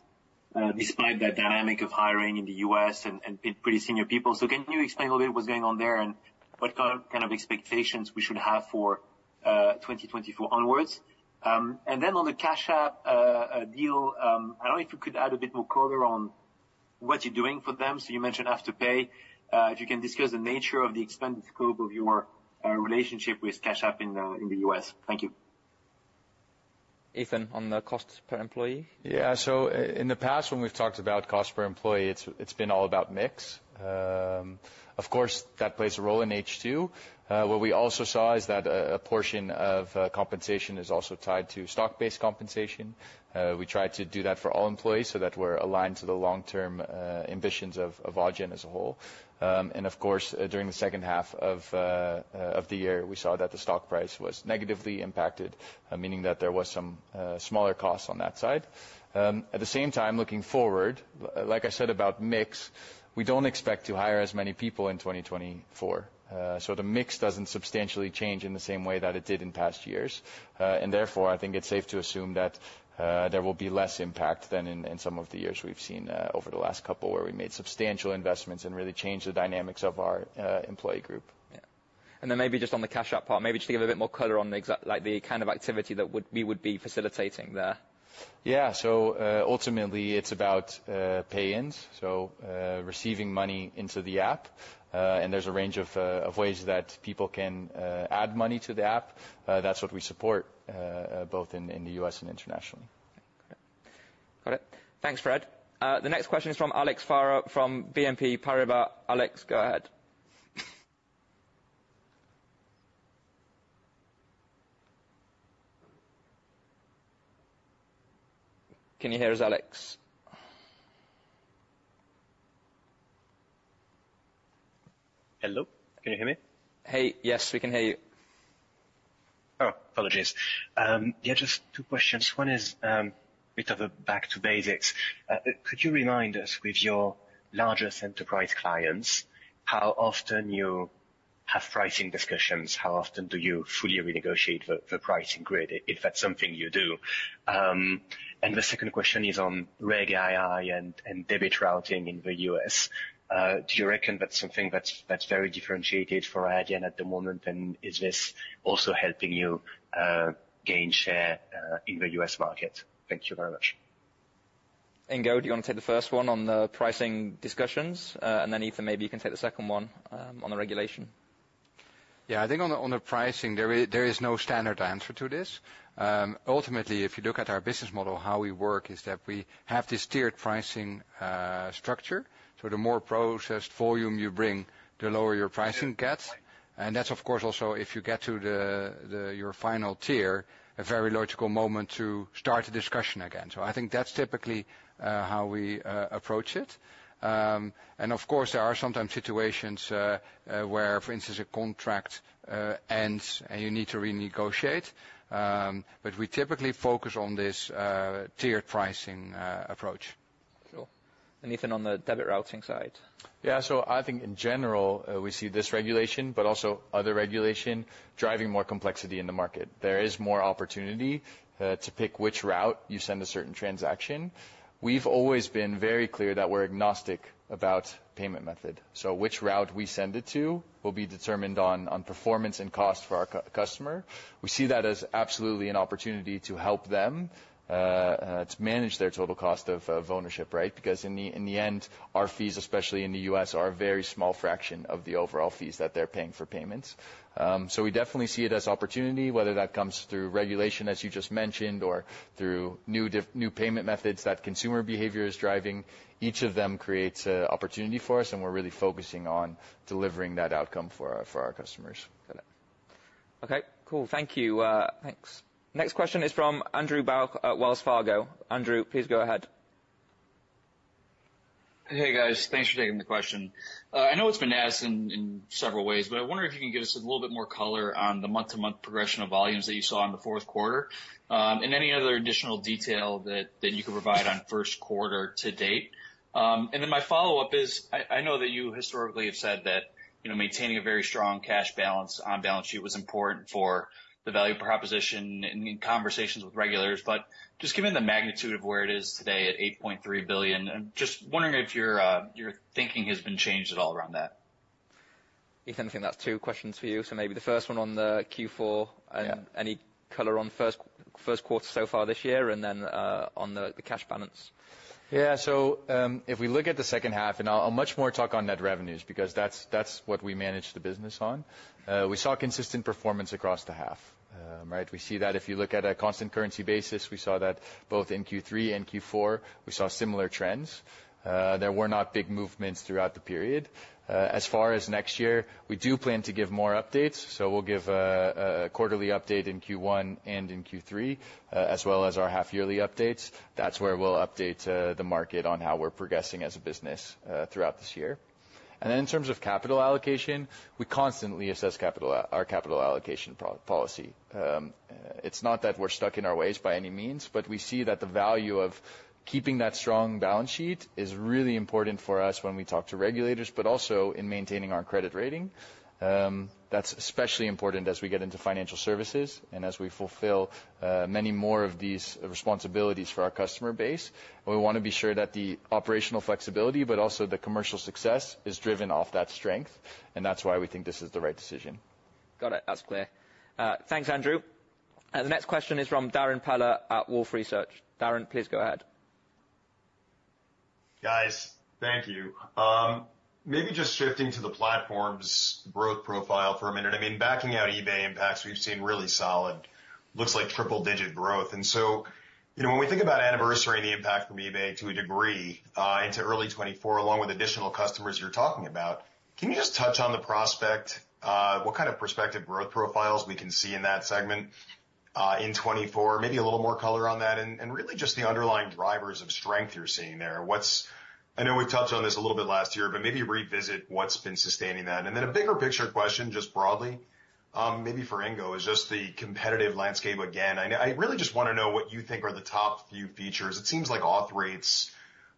despite that dynamic of hiring in the U.S. and pretty senior people. So can you explain a little bit what's going on there, and what kind of expectations we should have for 2024 onwards? And then on the Cash App deal, I don't know if you could add a bit more color on what you're doing for them. So you mentioned Afterpay. If you can discuss the nature of the expanded scope of your relationship with Cash App in the US? Thank you. Ethan, on the cost per employee? Yeah. So in the past, when we've talked about cost per employee, it's been all about mix. Of course, that plays a role in H2. What we also saw is that a portion of compensation is also tied to stock-based compensation. We try to do that for all employees, so that we're aligned to the long-term ambitions of Adyen as a whole. And of course, during the second half of the year, we saw that the stock price was negatively impacted, meaning that there was some smaller costs on that side. At the same time, looking forward, like I said about mix, we don't expect to hire as many people in 2024. So the mix doesn't substantially change in the same way that it did in past years. And therefore, I think it's safe to assume that there will be less impact than in some of the years we've seen over the last couple, where we made substantial investments and really changed the dynamics of our employee group. Yeah. And then maybe just on the Cash App part, maybe just to give a bit more color on the exact... Like, the kind of activity that we would be facilitating there. Yeah. So, ultimately, it's about pay-ins, so receiving money into the app. And there's a range of ways that people can add money to the app. That's what we support, both in the U.S. and internationally. Okay. Got it. Thanks, Fred. The next question is from Alex Faure from BNP Paribas. Alex, go ahead. Can you hear us, Alex? Hello? Can you hear me? Hey. Yes, we can hear you. Oh, apologies. Yeah, just two questions. One is, bit of a back to basics. Could you remind us, with your largest enterprise clients, how often you have pricing discussions? How often do you fully renegotiate the pricing grid, if that's something you do? And the second question is on Reg II and debit routing in the U.S. Do you reckon that's something that's very differentiated for Adyen at the moment, and is this also helping you gain share in the U.S. market? Thank you very much. Ingo, do you want to take the first one on the pricing discussions? And then, Ethan, maybe you can take the second one, on the regulation. Yeah. I think on the pricing, there is no standard answer to this. Ultimately, if you look at our business model, how we work is that we have this tiered pricing structure. So the more processed volume you bring, the lower your pricing gets. And that's, of course, also if you get to your final tier, a very logical moment to start the discussion again. So I think that's typically how we approach it. And of course, there are sometimes situations where, for instance, a contract ends, and you need to renegotiate. But we typically focus on this tiered pricing approach. Sure. And, Ethan, on the debit routing side? Yeah. So I think in general, we see this regulation, but also other regulation, driving more complexity in the market. There is more opportunity to pick which route you send a certain transaction. We've always been very clear that we're agnostic about payment method, so which route we send it to will be determined on performance and cost for our customer. We see that as absolutely an opportunity to help them to manage their total cost of ownership, right? Because in the end, our fees, especially in the U.S., are a very small fraction of the overall fees that they're paying for payments. So we definitely see it as opportunity, whether that comes through regulation, as you just mentioned, or through new payment methods that consumer behavior is driving. Each of them creates an opportunity for us, and we're really focusing on delivering that outcome for our customers. Got it. Okay, cool. Thank you. Thanks. Next question is from Andrew Bauch at Wells Fargo. Andrew, please go ahead. Hey, guys. Thanks for taking the question. I know it's been asked in several ways, but I wonder if you can give us a little bit more color on the month-to-month progression of volumes that you saw in the fourth quarter, and any other additional detail that you can provide on first quarter to date. And then my follow-up is, I know that you historically have said that, you know, maintaining a very strong cash balance on balance sheet was important for the value proposition and in conversations with regulators. But just given the magnitude of where it is today at 8.3 billion, just wondering if your thinking has been changed at all around that? Ethan, I think that's two questions for you, so maybe the first one on the Q4- Yeah... and any color on first quarter so far this year, and then, on the cash balance. Yeah, so, if we look at the second half, and I'll much more talk on net revenues, because that's what we manage the business on. We saw consistent performance across the half. Right? We see that if you look at a constant currency basis, we saw that both in Q3 and Q4, we saw similar trends. There were not big movements throughout the period. As far as next year, we do plan to give more updates, so we'll give a quarterly update in Q1 and in Q3, as well as our half yearly updates. That's where we'll update the market on how we're progressing as a business throughout this year. And then in terms of capital allocation, we constantly assess our capital allocation policy. It's not that we're stuck in our ways by any means, but we see that the value of keeping that strong balance sheet is really important for us when we talk to regulators, but also in maintaining our credit rating. That's especially important as we get into financial services and as we fulfill many more of these responsibilities for our customer base. We wanna be sure that the operational flexibility, but also the commercial success, is driven off that strength, and that's why we think this is the right decision. Got it. That's clear. Thanks, Andrew. And the next question is from Darrin Peller at Wolfe Research. Darrin, please go ahead. Guys, thank you. Maybe just shifting to the platform's growth profile for a minute. I mean, backing out eBay impacts, we've seen really solid, looks like triple-digit growth. And so, you know, when we think about anniversary and the impact from eBay to a degree, into early 2024, along with additional customers you're talking about, can you just touch on the prospect, what kind of prospective growth profiles we can see in that segment, in 2024? Maybe a little more color on that, and really just the underlying drivers of strength you're seeing there. What... I know we've touched on this a little bit last year, but maybe revisit what's been sustaining that. And then a bigger picture question, just broadly, maybe for Ingo, is just the competitive landscape again. I really just wanna know what you think are the top few features. It seems like auth rates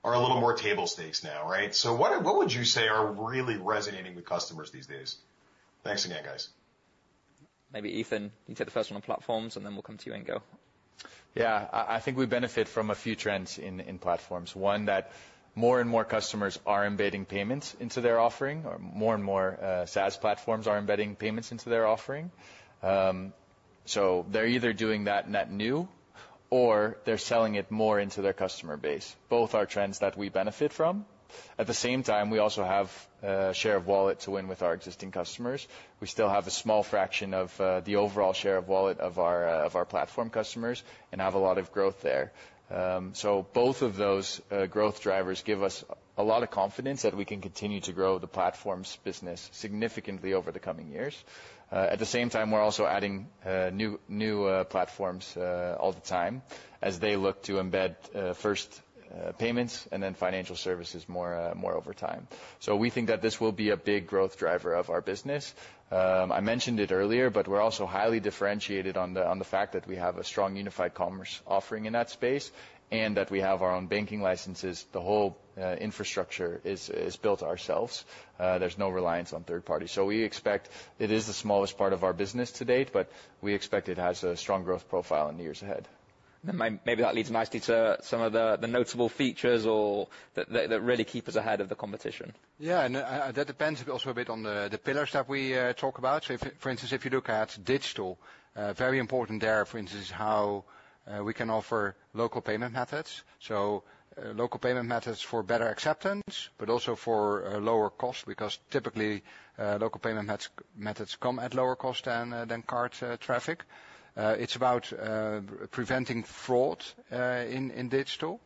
are a little more table stakes now, right? So what would you say are really resonating with customers these days? Thanks again, guys. Maybe Ethan, you take the first one on platforms, and then we'll come to you, Ingo. Yeah. I think we benefit from a few trends in platforms. One, that more and more customers are embedding payments into their offering, or more and more SaaS platforms are embedding payments into their offering. So they're either doing that net new, or they're selling it more into their customer base. Both are trends that we benefit from. At the same time, we also have a share of wallet to win with our existing customers. We still have a small fraction of the overall share of wallet of our platform customers and have a lot of growth there. So both of those growth drivers give us a lot of confidence that we can continue to grow the platforms business significantly over the coming years. At the same time, we're also adding new platforms all the time as they look to embed first payments and then financial services more over time. So we think that this will be a big growth driver of our business. I mentioned it earlier, but we're also highly differentiated on the fact that we have a strong Unified Commerce offering in that space, and that we have our own banking licenses. The whole infrastructure is built ourselves. There's no reliance on third party. So we expect... It is the smallest part of our business to date, but we expect it has a strong growth profile in the years ahead. Maybe that leads nicely to some of the notable features or that really keep us ahead of the competition. Yeah, and that depends also a bit on the pillars that we talk about. So, for instance, if you look at digital, very important there, for instance, is how we can offer local payment methods. So local payment methods for better acceptance, but also for lower cost, because typically local payment methods come at lower cost than card traffic. It's about preventing fraud in digital.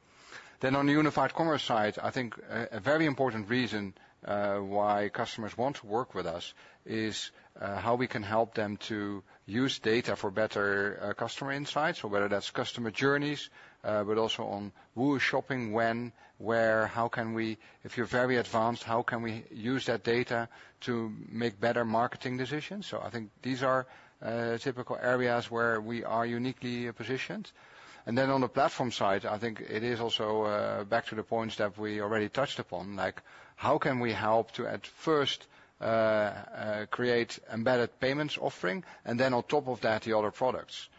Then on the unified commerce side, I think a very important reason why customers want to work with us is how we can help them to use data for better customer insights, or whether that's customer journeys, but also on who is shopping when, where, how can we—if you're very advanced, how can we use that data to make better marketing decisions? So I think these are typical areas where we are uniquely positioned. And then on the platform side, I think it is also back to the points that we already touched upon, like, how can we help to at first create embedded payments offering, and then on top of that, the other products.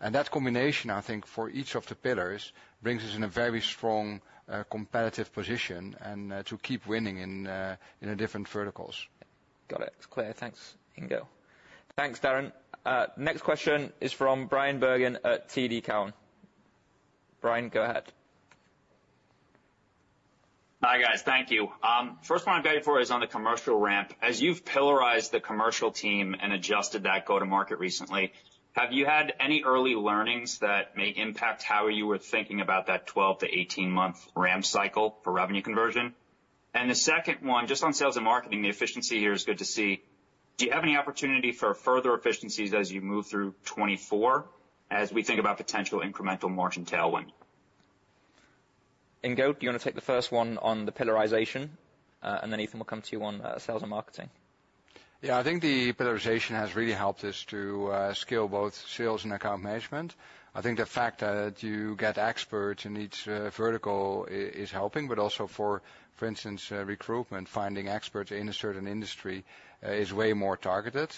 And that combination, I think, for each of the pillars, brings us in a very strong competitive position and to keep winning in in the different verticals. Got it. It's clear. Thanks, Ingo. Thanks, Darrin. Next question is from Bryan Bergin at TD Cowen. Bryan, go ahead. Hi, guys. Thank you. First one I've got for you is on the commercial ramp. As you've pillarized the commercial team and adjusted that go-to-market recently, have you had any early learnings that may impact how you were thinking about that 12-18-month ramp cycle for revenue conversion? And the second one, just on sales and marketing, the efficiency here is good to see. Do you have any opportunity for further efficiencies as you move through 2024, as we think about potential incremental margin tailwind? Ingo, do you want to take the first one on the pillarization? And then Ethan, we'll come to you on sales and marketing. Yeah. I think the pillarization has really helped us to scale both sales and account management. I think the fact that you get experts in each vertical is helping, but also, for instance, recruitment, finding experts in a certain industry is way more targeted.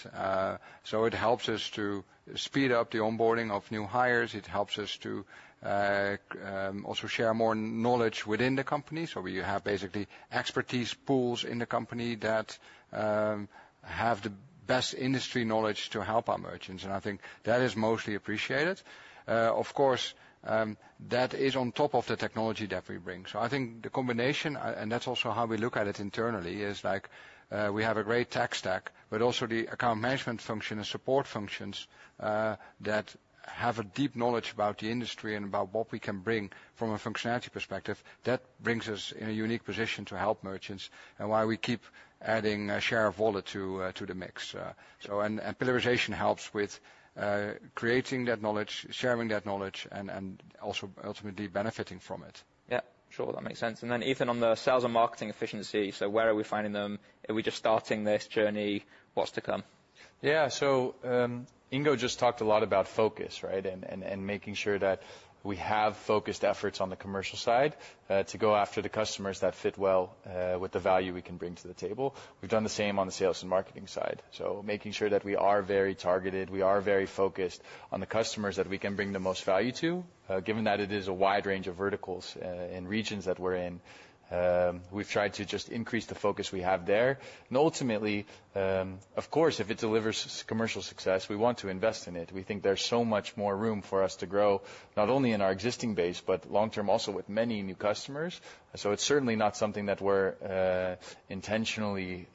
So it helps us to speed up the onboarding of new hires. It helps us to also share more knowledge within the company. So we have basically expertise pools in the company that have the best industry knowledge to help our merchants, and I think that is mostly appreciated. Of course, that is on top of the technology that we bring. So I think the combination, and that's also how we look at it internally, is like, we have a great tech stack, but also the account management function and support functions, that have a deep knowledge about the industry and about what we can bring from a functionality perspective, that brings us in a unique position to help merchants and why we keep adding, share of wallet to, to the mix. So and, and pillarization helps with, creating that knowledge, sharing that knowledge, and, and also ultimately benefiting from it. Yeah, sure. That makes sense. And then, Ethan, on the sales and marketing efficiency, so where are we finding them? Are we just starting this journey? What's to come? Yeah, so, Ingo just talked a lot about focus, right? And, and, and making sure that we have focused efforts on the commercial side, to go after the customers that fit well, with the value we can bring to the table. We've done the same on the sales and marketing side. So making sure that we are very targeted, we are very focused on the customers that we can bring the most value to. Given that it is a wide range of verticals, and regions that we're in, we've tried to just increase the focus we have there. And ultimately, of course, if it delivers commercial success, we want to invest in it. We think there's so much more room for us to grow, not only in our existing base, but long-term also with many new customers. So it's certainly not something that we're intentionally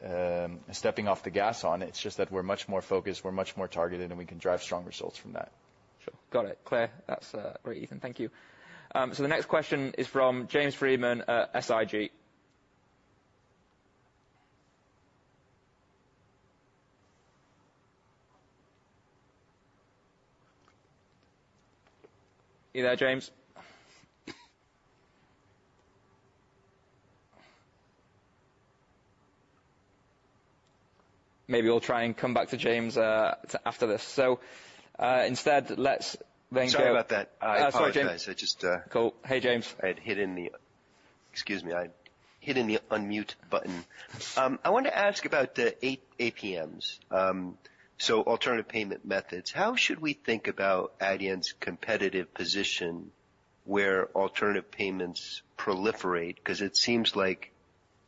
stepping off the gas on. It's just that we're much more focused, we're much more targeted, and we can drive strong results from that. Sure. Got it. Clear, that's or Ethan, thank you. So the next question is from James Friedman, SIG. You there, James? Maybe we'll try and come back to James to after this. So, instead, let's then go- Sorry about that. That's all right, James. I apologize. I just, Cool. Hey, James. Excuse me, I'd hidden the unmute button. I wanted to ask about the AP, APMs. So alternative payment methods, how should we think about Adyen's competitive position where alternative payments proliferate? 'Cause it seems like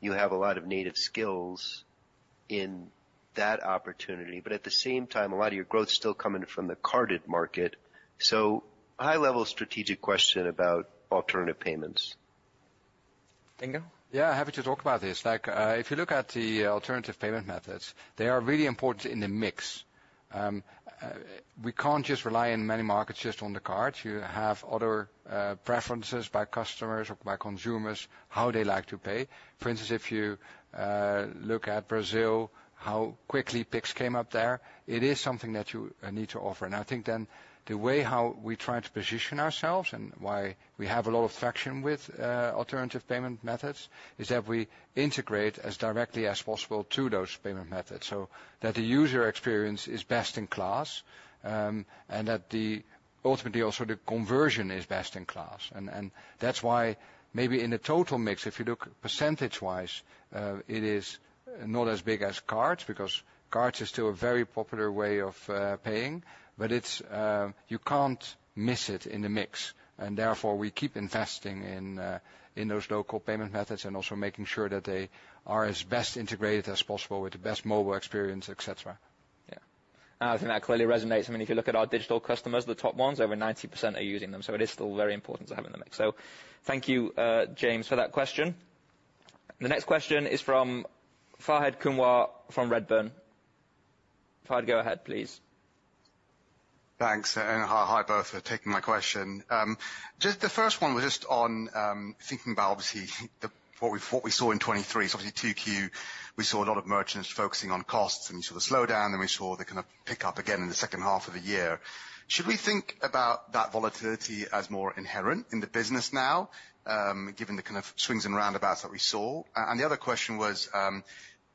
you have a lot of native skills in that opportunity, but at the same time, a lot of your growth is still coming from the carded market. So high-level strategic question about alternative payments. Ingo? Yeah, happy to talk about this. Like, if you look at the alternative payment methods, they are really important in the mix. We can't just rely on many markets, just on the cards. You have other preferences by customers or by consumers, how they like to pay. For instance, if you look at Brazil, how quickly Pix came up there, it is something that you need to offer. And I think then, the way how we try to position ourselves and why we have a lot of traction with alternative payment methods, is that we integrate as directly as possible to those payment methods, so that the user experience is best in class, and that the... ultimately, also the conversion is best in class. That's why maybe in the total mix, if you look percentage-wise, it is not as big as cards, because cards are still a very popular way of paying, but it's you can't miss it in the mix, and therefore, we keep investing in those local payment methods and also making sure that they are as best integrated as possible with the best mobile experience, et cetera. Yeah. And I think that clearly resonates. I mean, if you look at our digital customers, the top ones, over 90% are using them, so it is still very important to have in the mix. So thank you, James, for that question. The next question is from Fahed Kunwar from Redburn. Farhad, go ahead, please. Thanks, and hi, hi both for taking my question. Just the first one was just on, thinking about, obviously, the, what we, what we saw in 2023. So obviously, 2Q, we saw a lot of merchants focusing on costs, and we saw the slowdown, and we saw the kind of pick up again in the second half of the year. Should we think about that volatility as more inherent in the business now, given the kind of swings and roundabouts that we saw? And, and the other question was,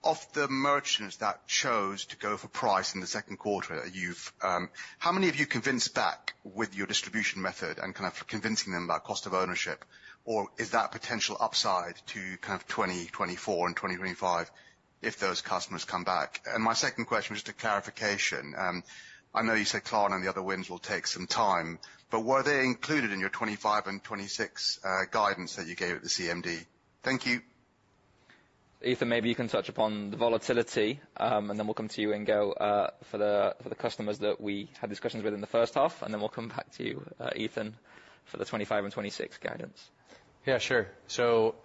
of the merchants that chose to go for price in the second quarter, you've, how many have you convinced back with your distribution method and kind of convincing them about cost of ownership? Or is that potential upside to kind of 2024 and 2025 if those customers come back? My second question, just a clarification. I know you said cloud and the other wins will take some time, but were they included in your 2025 and 2026 guidance that you gave at the CMD? Thank you. Ethan, maybe you can touch upon the volatility, and then we'll come to you, Ingo, for the customers that we had discussions with in the first half, and then we'll come back to you, Ethan, for the 25 and 26 guidance. Yeah, sure. So,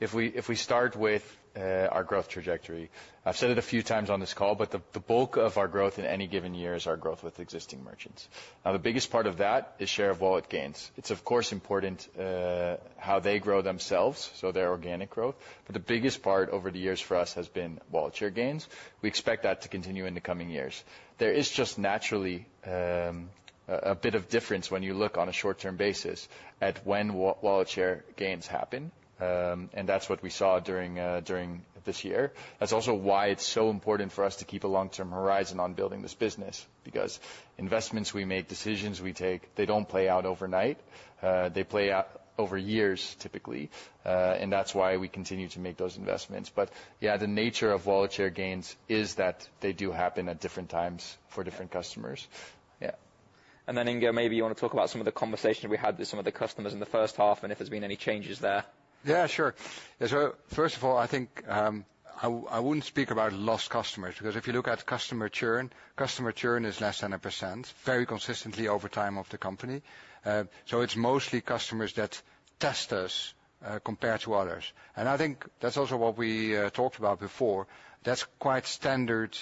if we start with our growth trajectory, I've said it a few times on this call, but the bulk of our growth in any given year is our growth with existing merchants. Now, the biggest part of that is share of wallet gains. It's of course important how they grow themselves, so their organic growth, but the biggest part over the years for us has been wallet share gains. We expect that to continue in the coming years. There is just naturally a bit of difference when you look on a short-term basis at when wallet share gains happen, and that's what we saw during this year. That's also why it's so important for us to keep a long-term horizon on building this business, because investments we make, decisions we take, they don't play out overnight. They play out over years, typically, and that's why we continue to make those investments. But yeah, the nature of wallet share gains is that they do happen at different times for different customers. Yeah.... And then, Ingo, maybe you want to talk about some of the conversations we had with some of the customers in the first half, and if there's been any changes there. Yeah, sure. So first of all, I think I wouldn't speak about lost customers, because if you look at customer churn, customer churn is less than 1%, very consistently over time of the company. So it's mostly customers that test us compared to others. And I think that's also what we talked about before. That's quite standard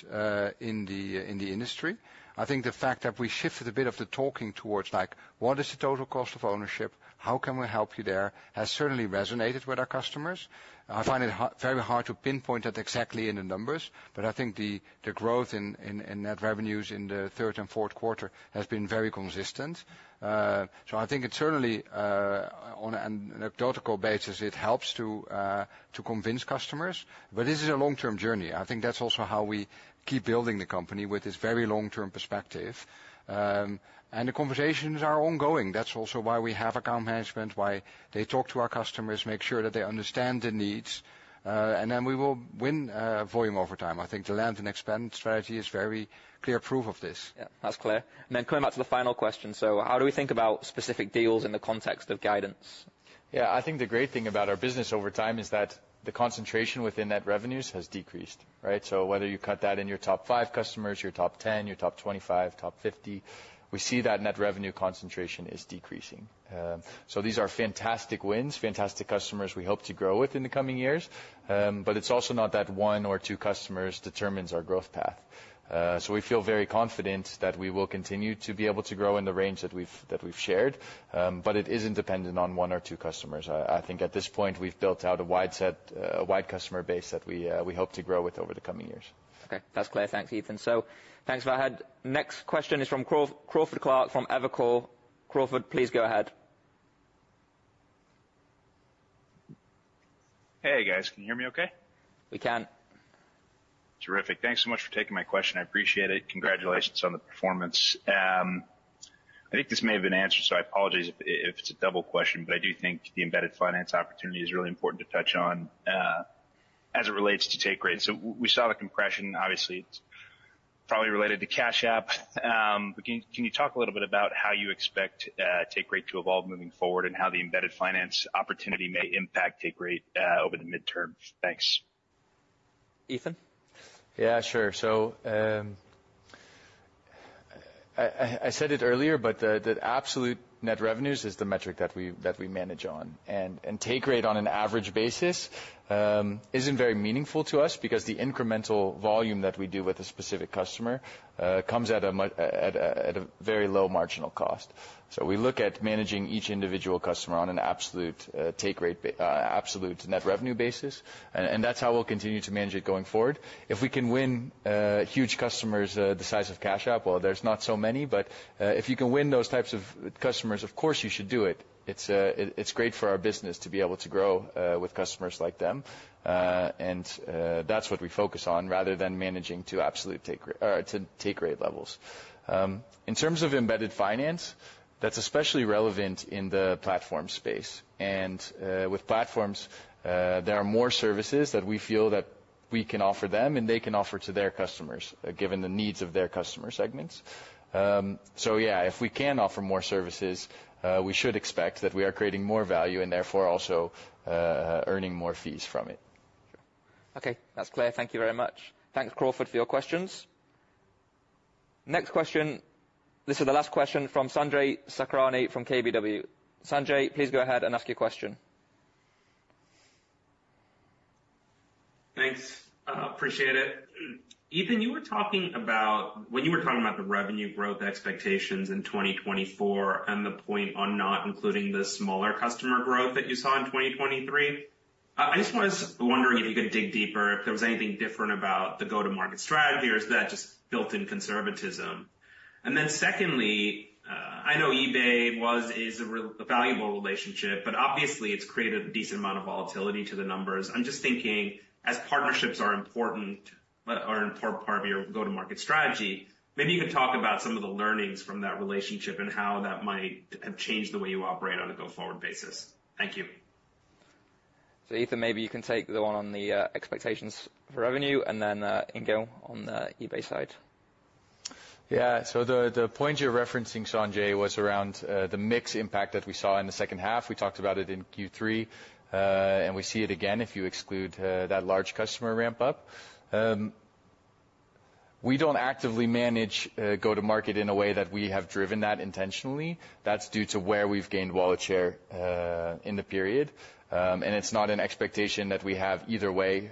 in the industry. I think the fact that we shifted a bit of the talking towards, like, what is the total cost of ownership? How can we help you there? Has certainly resonated with our customers. I find it very hard to pinpoint it exactly in the numbers, but I think the growth in net revenues in the third and fourth quarter has been very consistent. I think it certainly, on an anecdotal basis, it helps to convince customers, but this is a long-term journey. I think that's also how we keep building the company with this very long-term perspective. The conversations are ongoing. That's also why we have account management, why they talk to our customers, make sure that they understand the needs, and then we will win volume over time. I think the land and expand strategy is very clear proof of this. Yeah, that's clear. And then coming back to the final question: so how do we think about specific deals in the context of guidance? Yeah, I think the great thing about our business over time is that the concentration within net revenues has decreased, right? So whether you cut that in your top 5 customers, your top 10, your top 25, top 50, we see that net revenue concentration is decreasing. So these are fantastic wins, fantastic customers we hope to grow with in the coming years. But it's also not that one or two customers determines our growth path. So we feel very confident that we will continue to be able to grow in the range that we've shared, but it isn't dependent on one or two customers. I think at this point, we've built out a wide set, a wide customer base that we hope to grow with over the coming years. Okay, that's clear. Thanks, Ethan. So thanks, Fahed. Next question is from Crawford Clark from Evercore. Crawford, please go ahead. Hey, guys. Can you hear me okay? We can. Terrific. Thanks so much for taking my question. I appreciate it. Congratulations on the performance. I think this may have been answered, so I apologize if it's a double question, but I do think the embedded finance opportunity is really important to touch on, as it relates to take rate. So we saw the compression, obviously, it's probably related to Cash App, but can you talk a little bit about how you expect take rate to evolve moving forward, and how the embedded finance opportunity may impact take rate over the midterm? Thanks. Ethan? Yeah, sure. So, I said it earlier, but the absolute net revenues is the metric that we manage on, and take rate on an average basis isn't very meaningful to us because the incremental volume that we do with a specific customer comes at a very low marginal cost. So we look at managing each individual customer on an absolute net revenue basis, and that's how we'll continue to manage it going forward. If we can win huge customers the size of Cash App, well, there's not so many, but if you can win those types of customers, of course, you should do it. It's great for our business to be able to grow with customers like them. That's what we focus on, rather than managing to absolute take rate levels. In terms of embedded finance, that's especially relevant in the platform space, and with platforms, there are more services that we feel that we can offer them, and they can offer to their customers, given the needs of their customer segments. So yeah, if we can offer more services, we should expect that we are creating more value and therefore also earning more fees from it. Okay, that's clear. Thank you very much. Thanks, Crawford, for your questions. Next question, this is the last question from Sanjay Sakhrani from KBW. Sanjay, please go ahead and ask your question. Thanks. Appreciate it. Ethan, when you were talking about the revenue growth expectations in 2024 and the point on not including the smaller customer growth that you saw in 2023, I just was wondering if you could dig deeper, if there was anything different about the go-to-market strategy, or is that just built-in conservatism? And then secondly, I know eBay is a valuable relationship, but obviously it's created a decent amount of volatility to the numbers. I'm just thinking, as partnerships are important, are an important part of your go-to-market strategy, maybe you can talk about some of the learnings from that relationship and how that might have changed the way you operate on a go-forward basis. Thank you. So, Ethan, maybe you can take the one on the expectations for revenue, and then, Ingo, on the eBay side. Yeah. So the point you're referencing, Sanjay, was around the mix impact that we saw in the second half. We talked about it in Q3, and we see it again if you exclude that large customer ramp up. We don't actively manage go-to-market in a way that we have driven that intentionally. That's due to where we've gained wallet share in the period. And it's not an expectation that we have either way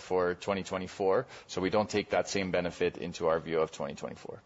for 2024, so we don't take that same benefit into our view of 2024. Sure.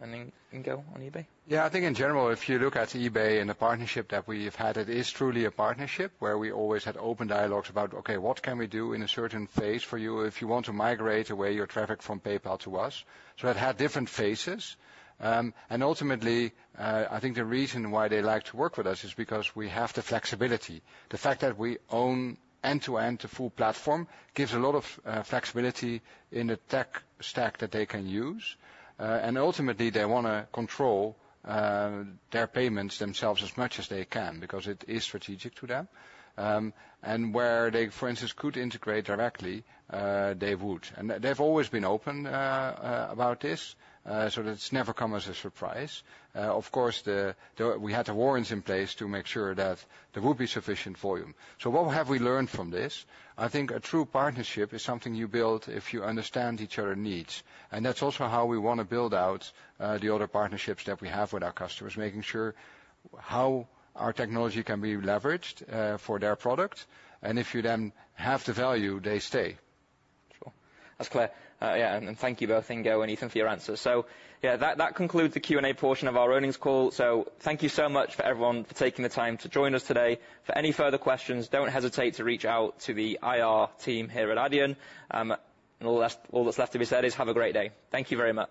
And then Ingo, on eBay? Yeah, I think in general, if you look at eBay and the partnership that we've had, it is truly a partnership, where we always had open dialogues about, "Okay, what can we do in a certain phase for you if you want to migrate away your traffic from PayPal to us?" So it had different phases. And ultimately, I think the reason why they like to work with us is because we have the flexibility. The fact that we own end-to-end the full platform gives a lot of flexibility in the tech stack that they can use. And ultimately, they wanna control their payments themselves as much as they can, because it is strategic to them. And where they, for instance, could integrate directly, they would. And they've always been open about this, so it's never come as a surprise. Of course, we had the warrants in place to make sure that there would be sufficient volume. So what have we learned from this? I think a true partnership is something you build if you understand each other needs, and that's also how we want to build out the other partnerships that we have with our customers, making sure how our technology can be leveraged for their product, and if you then have the value, they stay. Sure. That's clear. Yeah, and thank you both, Ingo and Ethan, for your answers. So yeah, that concludes the Q&A portion of our earnings call. So thank you so much for everyone for taking the time to join us today. For any further questions, don't hesitate to reach out to the IR team here at Adyen. And all that's left to be said is have a great day. Thank you very much.